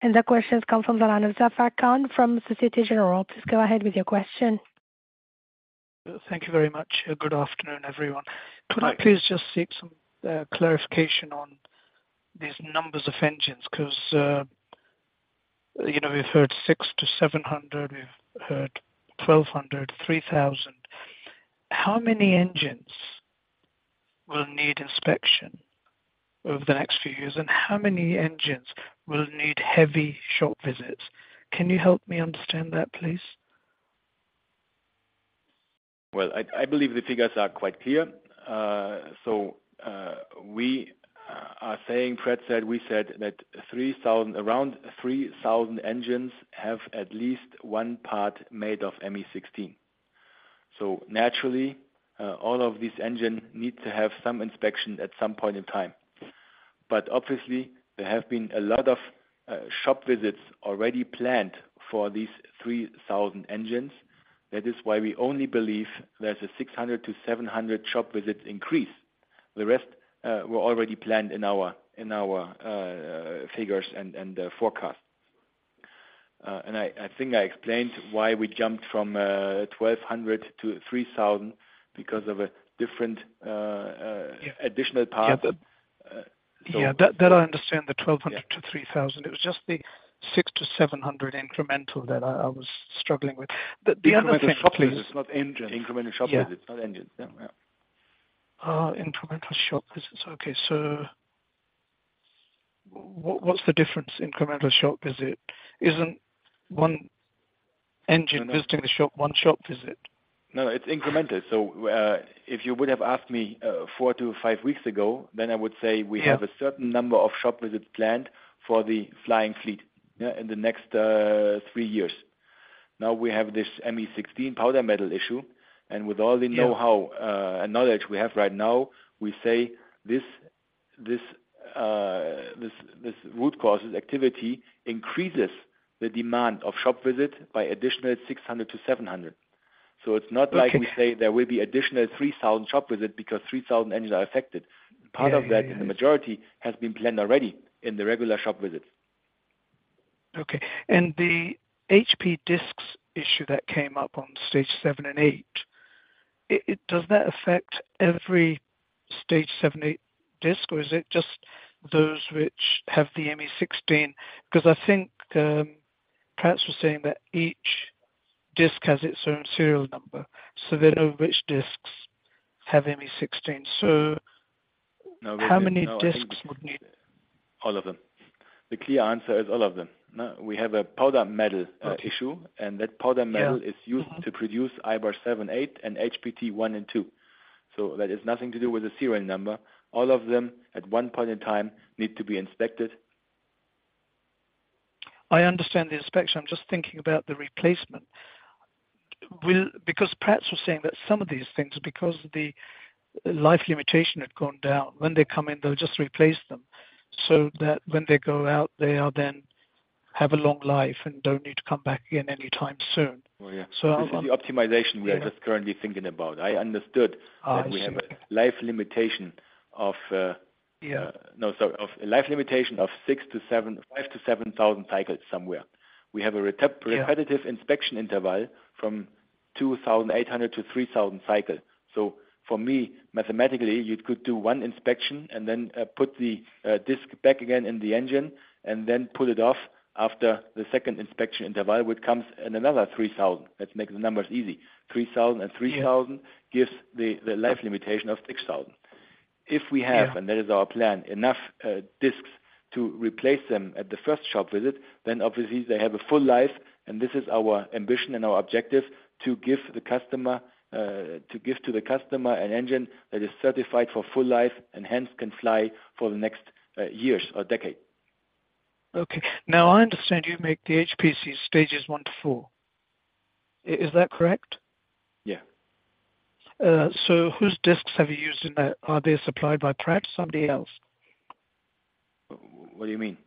The question comes from the line of Zafar Khan from Société Générale. Please go ahead with your question. Thank you very much. Good afternoon, everyone. Could I please just seek some clarification on these numbers of engines? 'Cause, you know, we've heard 600-700, we've heard 1,200, 3,000. How many engines will need inspection over the next few years, and how many engines will need heavy shop visits? Can you help me understand that, please? Well, I believe the figures are quite clear. So, we are saying, Pratt said, we said that 3,000, around 3,000 engines have at least one part made of ME16. So naturally, all of these engine need to have some inspection at some point in time. But obviously, there have been a lot of shop visits already planned for these 3,000 engines. That is why we only believe there's a 600-700 shop visits increase. The rest were already planned in our figures and forecast, and I think I explained why we jumped from 1,200 to 3,000 because of a different. Yeah. Additional part that, Yeah, that, that I understand, the 1,200- Yeah -to 3,000. It was just the 600-700 incremental that I was struggling with. The other thing- Incremental shop visits, not engine. Yeah. Not engines. Yeah, yeah. Incremental shop visits. Okay, so what, what's the difference, incremental shop visit? Isn't one engine- No -visiting the shop, 1 shop visit? No, it's incremental. So, if you would have asked me, four to five weeks ago, then I would say- Yeah... we have a certain number of shop visits planned for the flying fleet, yeah, in the next three years. Now we have this ME16 powder metal issue, and with all the- Yeah... know-how, and knowledge we have right now, we say this root cause activity increases the demand of shop visit by additional 600-700. So it's not like- Okay... we say there will be additional 3,000 shop visit because 3,000 engines are affected. Yeah, yeah, yeah. Part of that, the majority has been planned already in the regular shop visits. Okay. And the HPT disks issue that came up on stage 7 and 8, does that affect every stage 7, 8 disk, or is it just those which have the ME16? 'Cause I think, Pratt was saying that each disk has its own serial number, so they know which disks have ME16. So- No... how many disks would need? All of them. The clear answer is all of them. Now, we have a powder metal, Okay... issue, and that Powder Metal- Yeah. Mm-hmm... is used to produce IBR 7, 8, and HPT 1 and 2. So that is nothing to do with the serial number. All of them, at one point in time, need to be inspected. I understand the inspection. I'm just thinking about the replacement. Because Pratt was saying that some of these things, because the life limitation had gone down, when they come in, they'll just replace them, so that when they go out, they are then have a long life and don't need to come back again anytime soon. Oh, yeah. So, um- This is the optimization we are just currently- Yeah... thinking about. I understood- Ah, I see.... that we have a life limitation of, Yeah... no, sorry, of life limitation of 6-7, 5-7 thousand cycles somewhere. We have a retep- Yeah... repetitive inspection interval from 2,800 to 3,000 cycles. So for me, mathematically, you could do one inspection and then put the disk back again in the engine and then pull it off after the second inspection interval, which comes in another 3,000. Let's make the numbers easy. 3,000 and 3,000- Yeah... gives the life limitation of 6,000. Yeah. If we have, and that is our plan, enough, disks to replace them at the first shop visit, then obviously they have a full life, and this is our ambition and our objective: to give the customer, to give to the customer an engine that is certified for full life and hence can fly for the next, years or decade. Okay. Now I understand you make the HPC stages one to four. Is that correct? Yeah. So whose disks have you used in that? Are they supplied by Pratt or somebody else? What do you mean?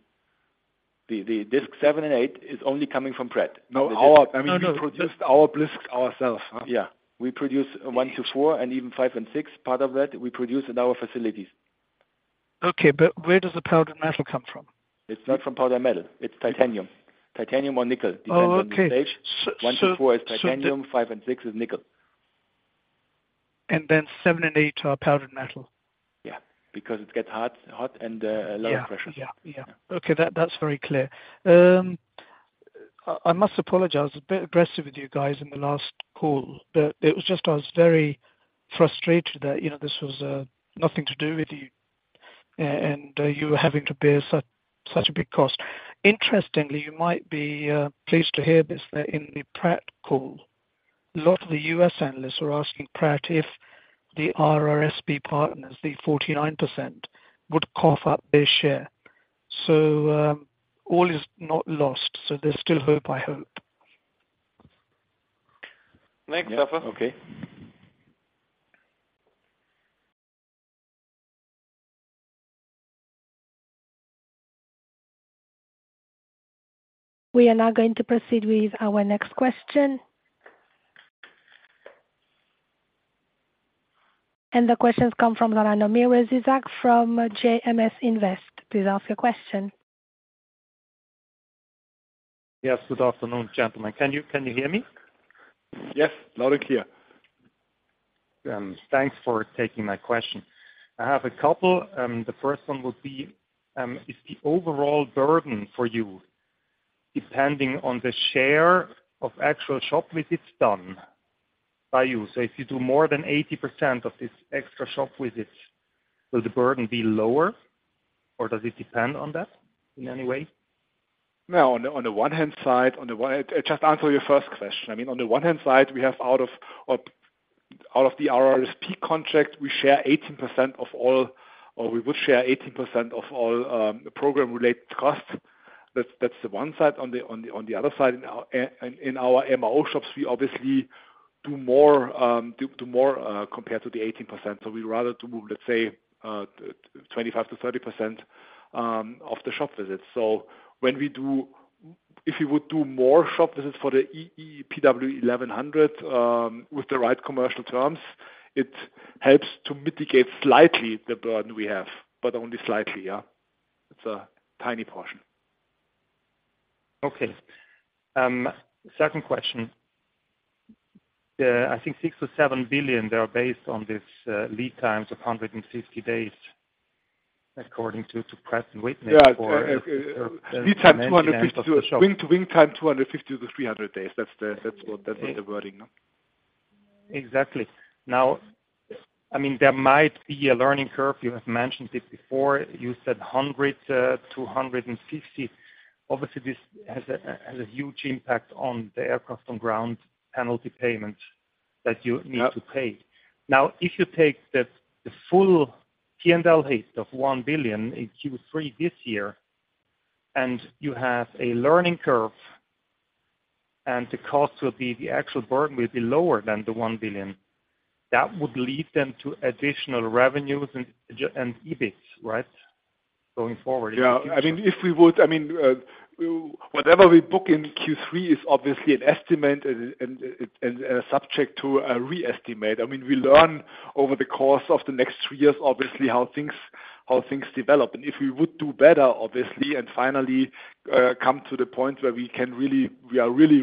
The disk seven and eight is only coming from Pratt. No, I mean, we produced our blisk ourselves. Yeah, we produce one to four and even five and six. Part of that, we produce in our facilities. Okay, but where does the powder metal come from? It's not from powder metal. It's titanium. Titanium or nickel- Oh, okay... depends on the stage. So, the- One to four is titanium. five and six is nickel. And then seven and eight are powder metal? Yeah, because it gets hot, hot and Yeah... lower pressure. Yeah. Yeah. Yeah. Okay, that's very clear. I must apologize. I was a bit aggressive with you guys in the last call, but it was just, I was very frustrated that, you know, this was nothing to do with you, and you were having to bear such a big cost. Interestingly, you might be pleased to hear this, that in the Pratt call, a lot of the U.S. analysts were asking Pratt if the RRSP partners, the 49%, would cough up their share. So, all is not lost, so there's still hope, I hope. Next, suffer. Okay. We are now going to proceed with our next question. The question comes from Miro Zuzak from JMS Invest. Please ask your question. Yes, good afternoon, gentlemen. Can you hear me? Yes, loud and clear. Thanks for taking my question. I have a couple. The first one would be, is the overall burden for you, depending on the share of actual shop visits done by you? So if you do more than 80% of this extra shop visits, will the burden be lower, or does it depend on that in any way? No, on the one hand, just answer your first question. I mean, on the one hand, we have out of the RRSP contract, we share 18% of all, or we would share 18% of all program-related costs. That's the one side. On the other side, in our MRO shops, we obviously do more compared to the 18%. So we'd rather to move, let's say, 25%-30% of the shop visits. If you would do more shop visits for the PW1100 with the right commercial terms. It helps to mitigate slightly the burden we have, but only slightly, yeah. It's a tiny portion. Okay. Second question. I think $6 billion-$7 billion, they are based on this, lead times of 150 days, according to Pratt & Whitney for- Yeah, lead time 252. Wing-to-wing time, 250-300 days. That's what the wording, no? Exactly. Now, I mean, there might be a learning curve. You have mentioned it before. You said 100 to 150. Obviously, this has a huge impact on the aircraft on ground penalty payment that you need to pay. Now, if you take the full P&L hit of 1 billion in Q3 this year, and you have a learning curve, and the cost will be the actual burden will be lower than the 1 billion, that would lead then to additional revenues and EBITs, right? Going forward. Yeah. I mean, if we would—I mean, whatever we book in Q3 is obviously an estimate and subject to a re-estimate. I mean, we learn over the course of the next three years, obviously, how things develop. And if we would do better, obviously, and finally come to the point where we can really, we are really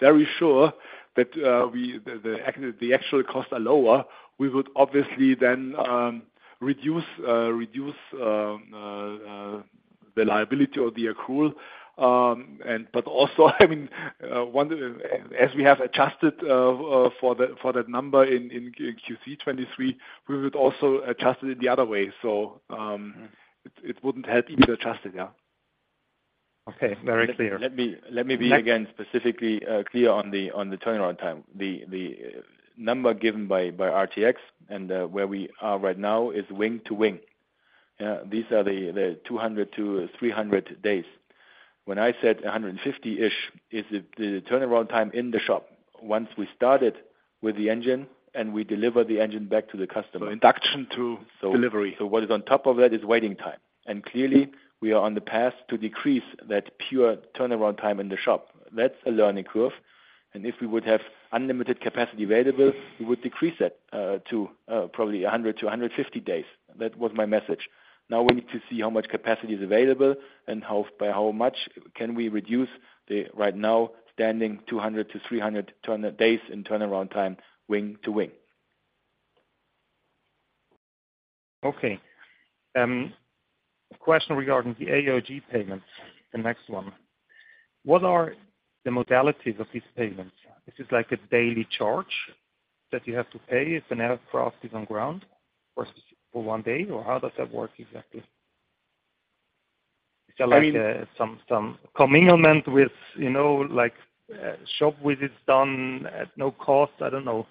very sure that the actual costs are lower, we would obviously then reduce the liability or the accrual. But also, I mean, once as we have adjusted for that number in Q3 2023, we would also adjust it the other way. So, it wouldn't help even adjust it. Yeah. Okay, very clear. Let me, let me be, again, specifically, clear on the, on the turnaround time. The, the number given by, by RTX and, where we are right now is wing to wing. These are the, the 200-300 days. When I said 150-ish, is the, the turnaround time in the shop. Once we started with the engine, and we deliver the engine back to the customer. Induction to delivery. So what is on top of that is waiting time. Clearly, we are on the path to decrease that pure turnaround time in the shop. That's a learning curve, and if we would have unlimited capacity available, we would decrease it to probably 100-150 days. That was my message. Now we need to see how much capacity is available and how, by how much can we reduce the right now standing 200-300 turn days in turnaround time, wing to wing. Okay. A question regarding the AOG payments, the next one. What are the modalities of these payments? Is this like a daily charge that you have to pay if an aircraft is on ground for one day, or how does that work exactly? I mean- Some commingling with, you know, like, shop visits done at no cost, I don't know,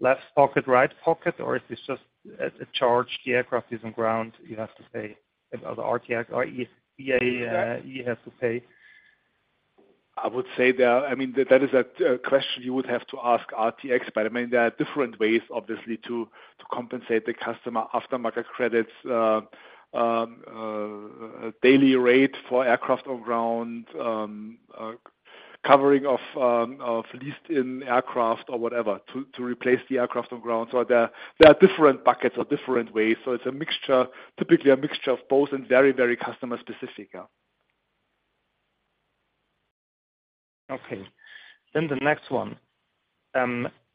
left pocket, right pocket, or if it's just at a charge, the aircraft is on ground, you have to pay, or the RTX or IAE, you have to pay. I would say that, I mean, that is a question you would have to ask RTX, but, I mean, there are different ways, obviously, to compensate the customer: aftermarket credits, daily rate for aircraft on ground, covering of leased-in aircraft or whatever, to replace the aircraft on ground. So there are different buckets or different ways. So it's a mixture, typically a mixture of both and very customer-specific, yeah. Okay. Then the next one,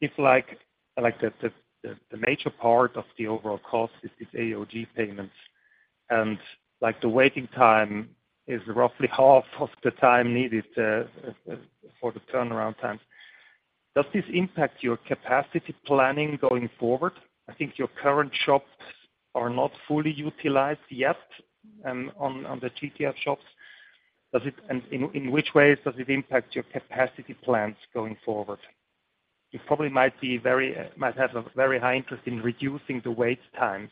if, like, the major part of the overall cost is AOG payments, and, like, the waiting time is roughly half of the time needed for the turnaround times, does this impact your capacity planning going forward? I think your current shops are not fully utilized yet on the GTF shops. Does it... And in which ways does it impact your capacity plans going forward? You probably might be very, might have a very high interest in reducing the wait times.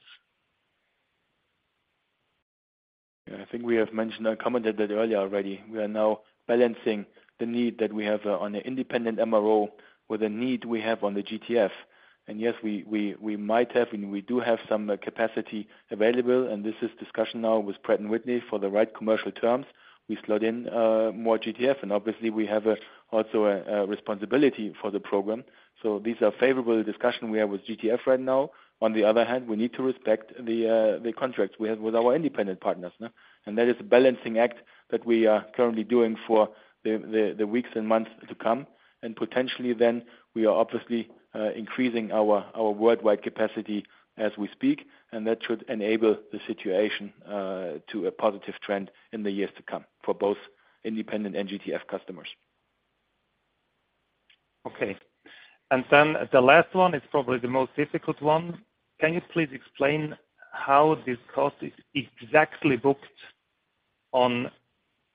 I think we have mentioned or commented that earlier already. We are now balancing the need that we have on an independent MRO with the need we have on the GTF. And yes, we might have, and we do have some capacity available, and this is discussion now with Pratt & Whitney for the right commercial terms. We slot in more GTF, and obviously, we have also a responsibility for the program. So these are favorable discussion we have with GTF right now. On the other hand, we need to respect the contracts we have with our independent partners. That is a balancing act that we are currently doing for the weeks and months to come, and potentially then we are obviously increasing our worldwide capacity as we speak, and that should enable the situation to a positive trend in the years to come for both independent and GTF customers. Okay. And then the last one is probably the most difficult one. Can you please explain how this cost is exactly booked on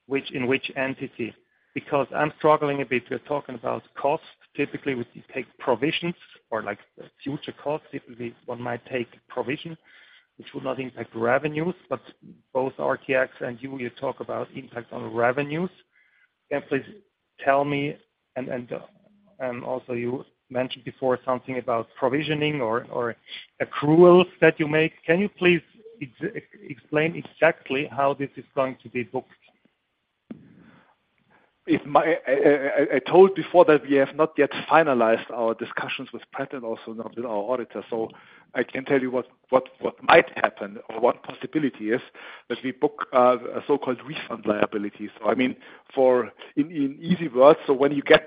which, in which entity? Because I'm struggling a bit. We're talking about cost. Typically, we take provisions or, like, future costs. Typically, one might take provision, which would not impact revenues, but both RTX and you, you talk about impact on revenues. Can you please tell me, and also you mentioned before something about provisioning or accruals that you make. Can you please explain exactly how this is going to be booked? ... If I told before that we have not yet finalized our discussions with Pratt and also not with our auditor. So I can tell you what might happen or what possibility is, that we book a so-called refund liability. So I mean, in easy words, so when you get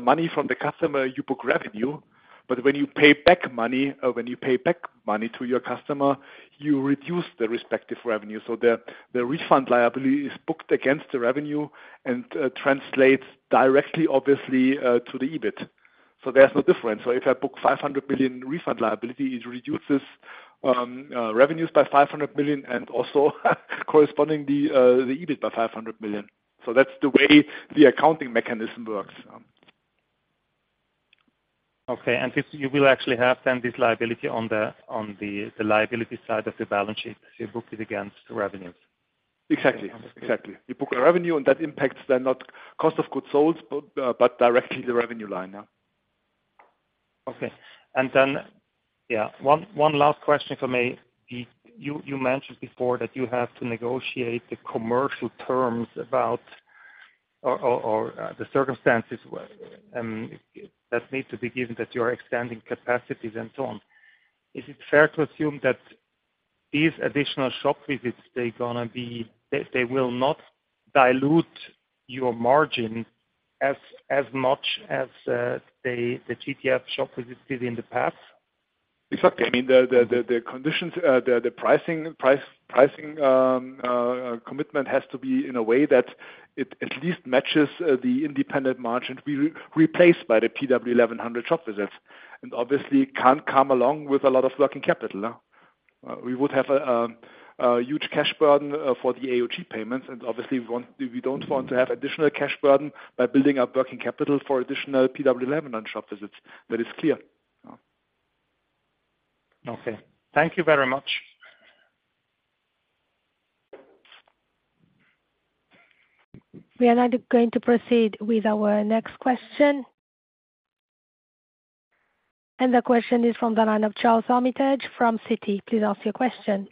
money from the customer, you book revenue, but when you pay back money or when you pay back money to your customer, you reduce the respective revenue. So the refund liability is booked against the revenue and translates directly, obviously, to the EBIT. So there's no difference. So if I book 500 million refund liability, it reduces revenues by 500 million and also corresponding the EBIT by 500 million. That's the way the accounting mechanism works. Okay. And if you will actually have then this liability on the liability side of the balance sheet, you book it against revenues? Exactly. Exactly. You book a revenue, and that impacts then not cost of goods sold, but, but directly the revenue line, yeah. Okay. Yeah, one last question for me. You mentioned before that you have to negotiate the commercial terms about the circumstances that need to be given that you are extending capacities and so on. Is it fair to assume that these additional shop visits, they're gonna be... They will not dilute your margin as much as the GTF shop visits did in the past? Exactly. I mean, the conditions, the pricing commitment has to be in a way that it at least matches the independent margin we replaced by the PW1100 shop visits, and obviously can't come along with a lot of working capital. We would have a huge cash burden for the AOG payments, and obviously we want- we don't want to have additional cash burden by building up working capital for additional PW1100 shop visits. That is clear. Okay. Thank you very much. We are now going to proceed with our next question. The question is from the line of Charles Armitage from Citi. Please ask your question.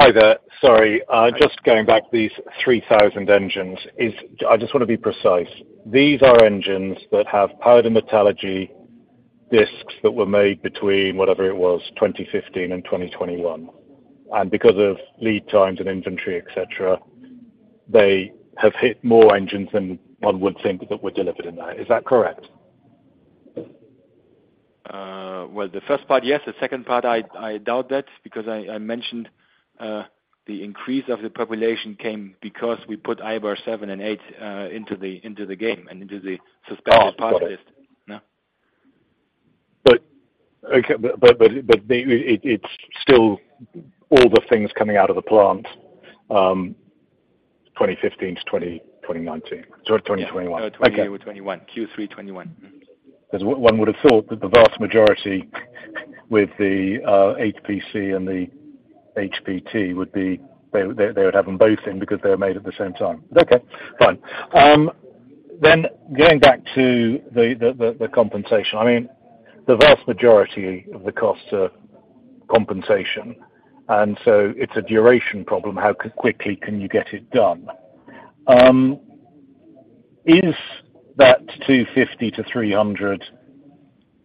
Hi there, sorry. Just going back, these 3,000 engines is... I just want to be precise. These are engines that have powder metallurgy disks that were made between whatever it was, 2015 and 2021, and because of lead times and inventory, et cetera, they have hit more engines than one would think that were delivered in that. Is that correct? Well, the first part, yes. The second part, I doubt that because I mentioned the increase of the population came because we put IBR 7 and 8 into the game and into the suspected part list. Okay, but it's still all the things coming out of the plant, 2015 to 2019, sorry, 2021. 2021, Q3 2021. 'Cause one would have thought that the vast majority with the HPC and the HPT would be, they would have them both in because they were made at the same time. Okay, fine. Then going back to the compensation, I mean, the vast majority of the costs are compensation, and so it's a duration problem. How quickly can you get it done? Is that 250-300,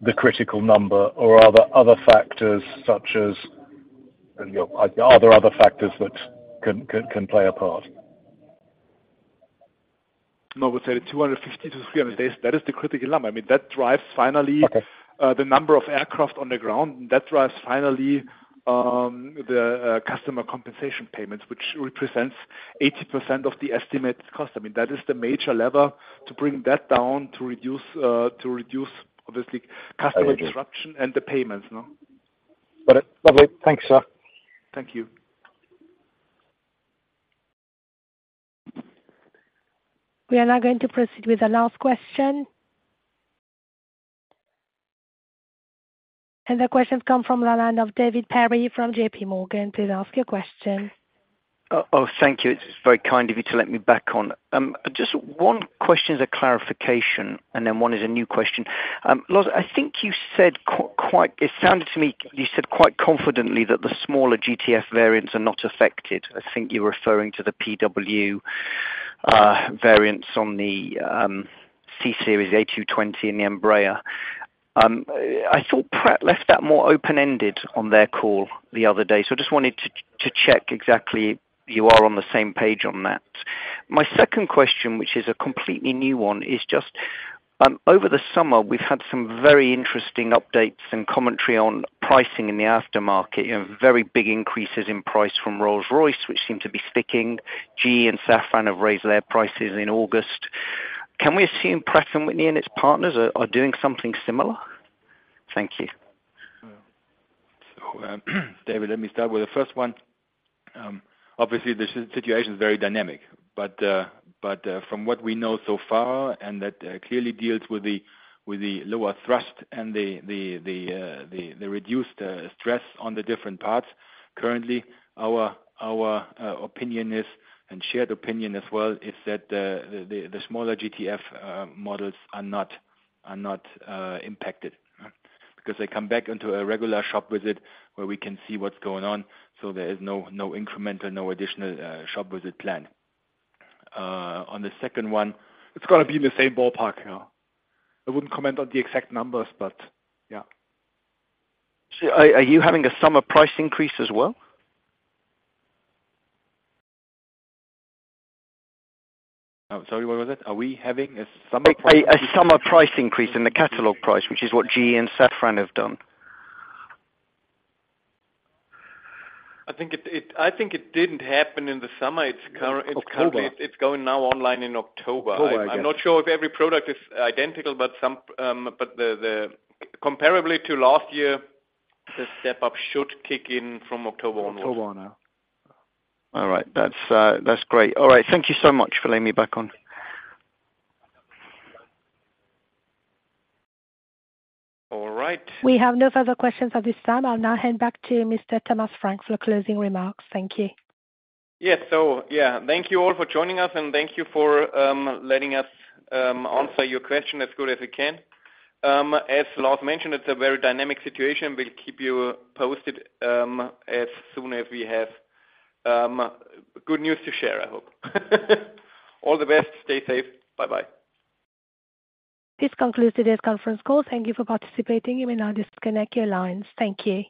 the critical number, or are there other factors such as, are there other factors that can play a part? No, I would say the 250-300, that is the critical number. I mean, that drives finally- Okay. the number of aircraft on the ground, and that drives finally, the customer compensation payments, which represents 80% of the estimated cost. I mean, that is the major lever to bring that down, to reduce, to reduce, obviously, customer- I agree. disruption and the payments, no? Got it. Okay, thanks, sir. Thank you. We are now going to proceed with the last question. The question come from the line of David Perry from JPMorgan. Please ask your question. Oh, thank you. It's very kind of you to let me back on. Just one question as a clarification, and then one is a new question. Lars, I think you said quite confidently that the smaller GTF variants are not affected. I think you're referring to the PW variants on the C-Series A220 and the Embraer. I thought Pratt left that more open-ended on their call the other day, so I just wanted to check exactly you are on the same page on that. My second question, which is a completely new one, is just over the summer, we've had some very interesting updates and commentary on pricing in the aftermarket. You know, very big increases in price from Rolls-Royce, which seem to be sticking. GE and Safran have raised their prices in August. Can we assume Pratt & Whitney and its partners are doing something similar? Thank you. So, David, let me start with the first one. Obviously, the situation is very dynamic, but from what we know so far, and that clearly deals with the lower thrust and the reduced stress on the different parts. Currently, our opinion is, and shared opinion as well, is that the smaller GTF models are not impacted because they come back into a regular shop visit where we can see what's going on, so there is no incremental, no additional shop visit plan. On the second one, it's gonna be in the same ballpark. I wouldn't comment on the exact numbers, but yeah. So are you having a summer price increase as well? Sorry, what was that? Are we having a summer price increase? a summer price increase in the catalog price, which is what GE and Safran have done. I think it didn't happen in the summer. It's current- October. It's going now online in October. October. I'm not sure if every product is identical, but some, but the comparable to last year, the step-up should kick in from October onwards. October, now. All right. That's, that's great. All right. Thank you so much for letting me back on. All right. We have no further questions at this time. I'll now hand back to Mr. Thomas Franz for closing remarks. Thank you. Yes, so yeah. Thank you all for joining us, and thank you for letting us answer your question as good as we can. As Lars mentioned, it's a very dynamic situation. We'll keep you posted, as soon as we have good news to share, I hope. All the best. Stay safe. Bye-bye. This concludes today's conference call. Thank you for participating. You may now disconnect your lines. Thank you.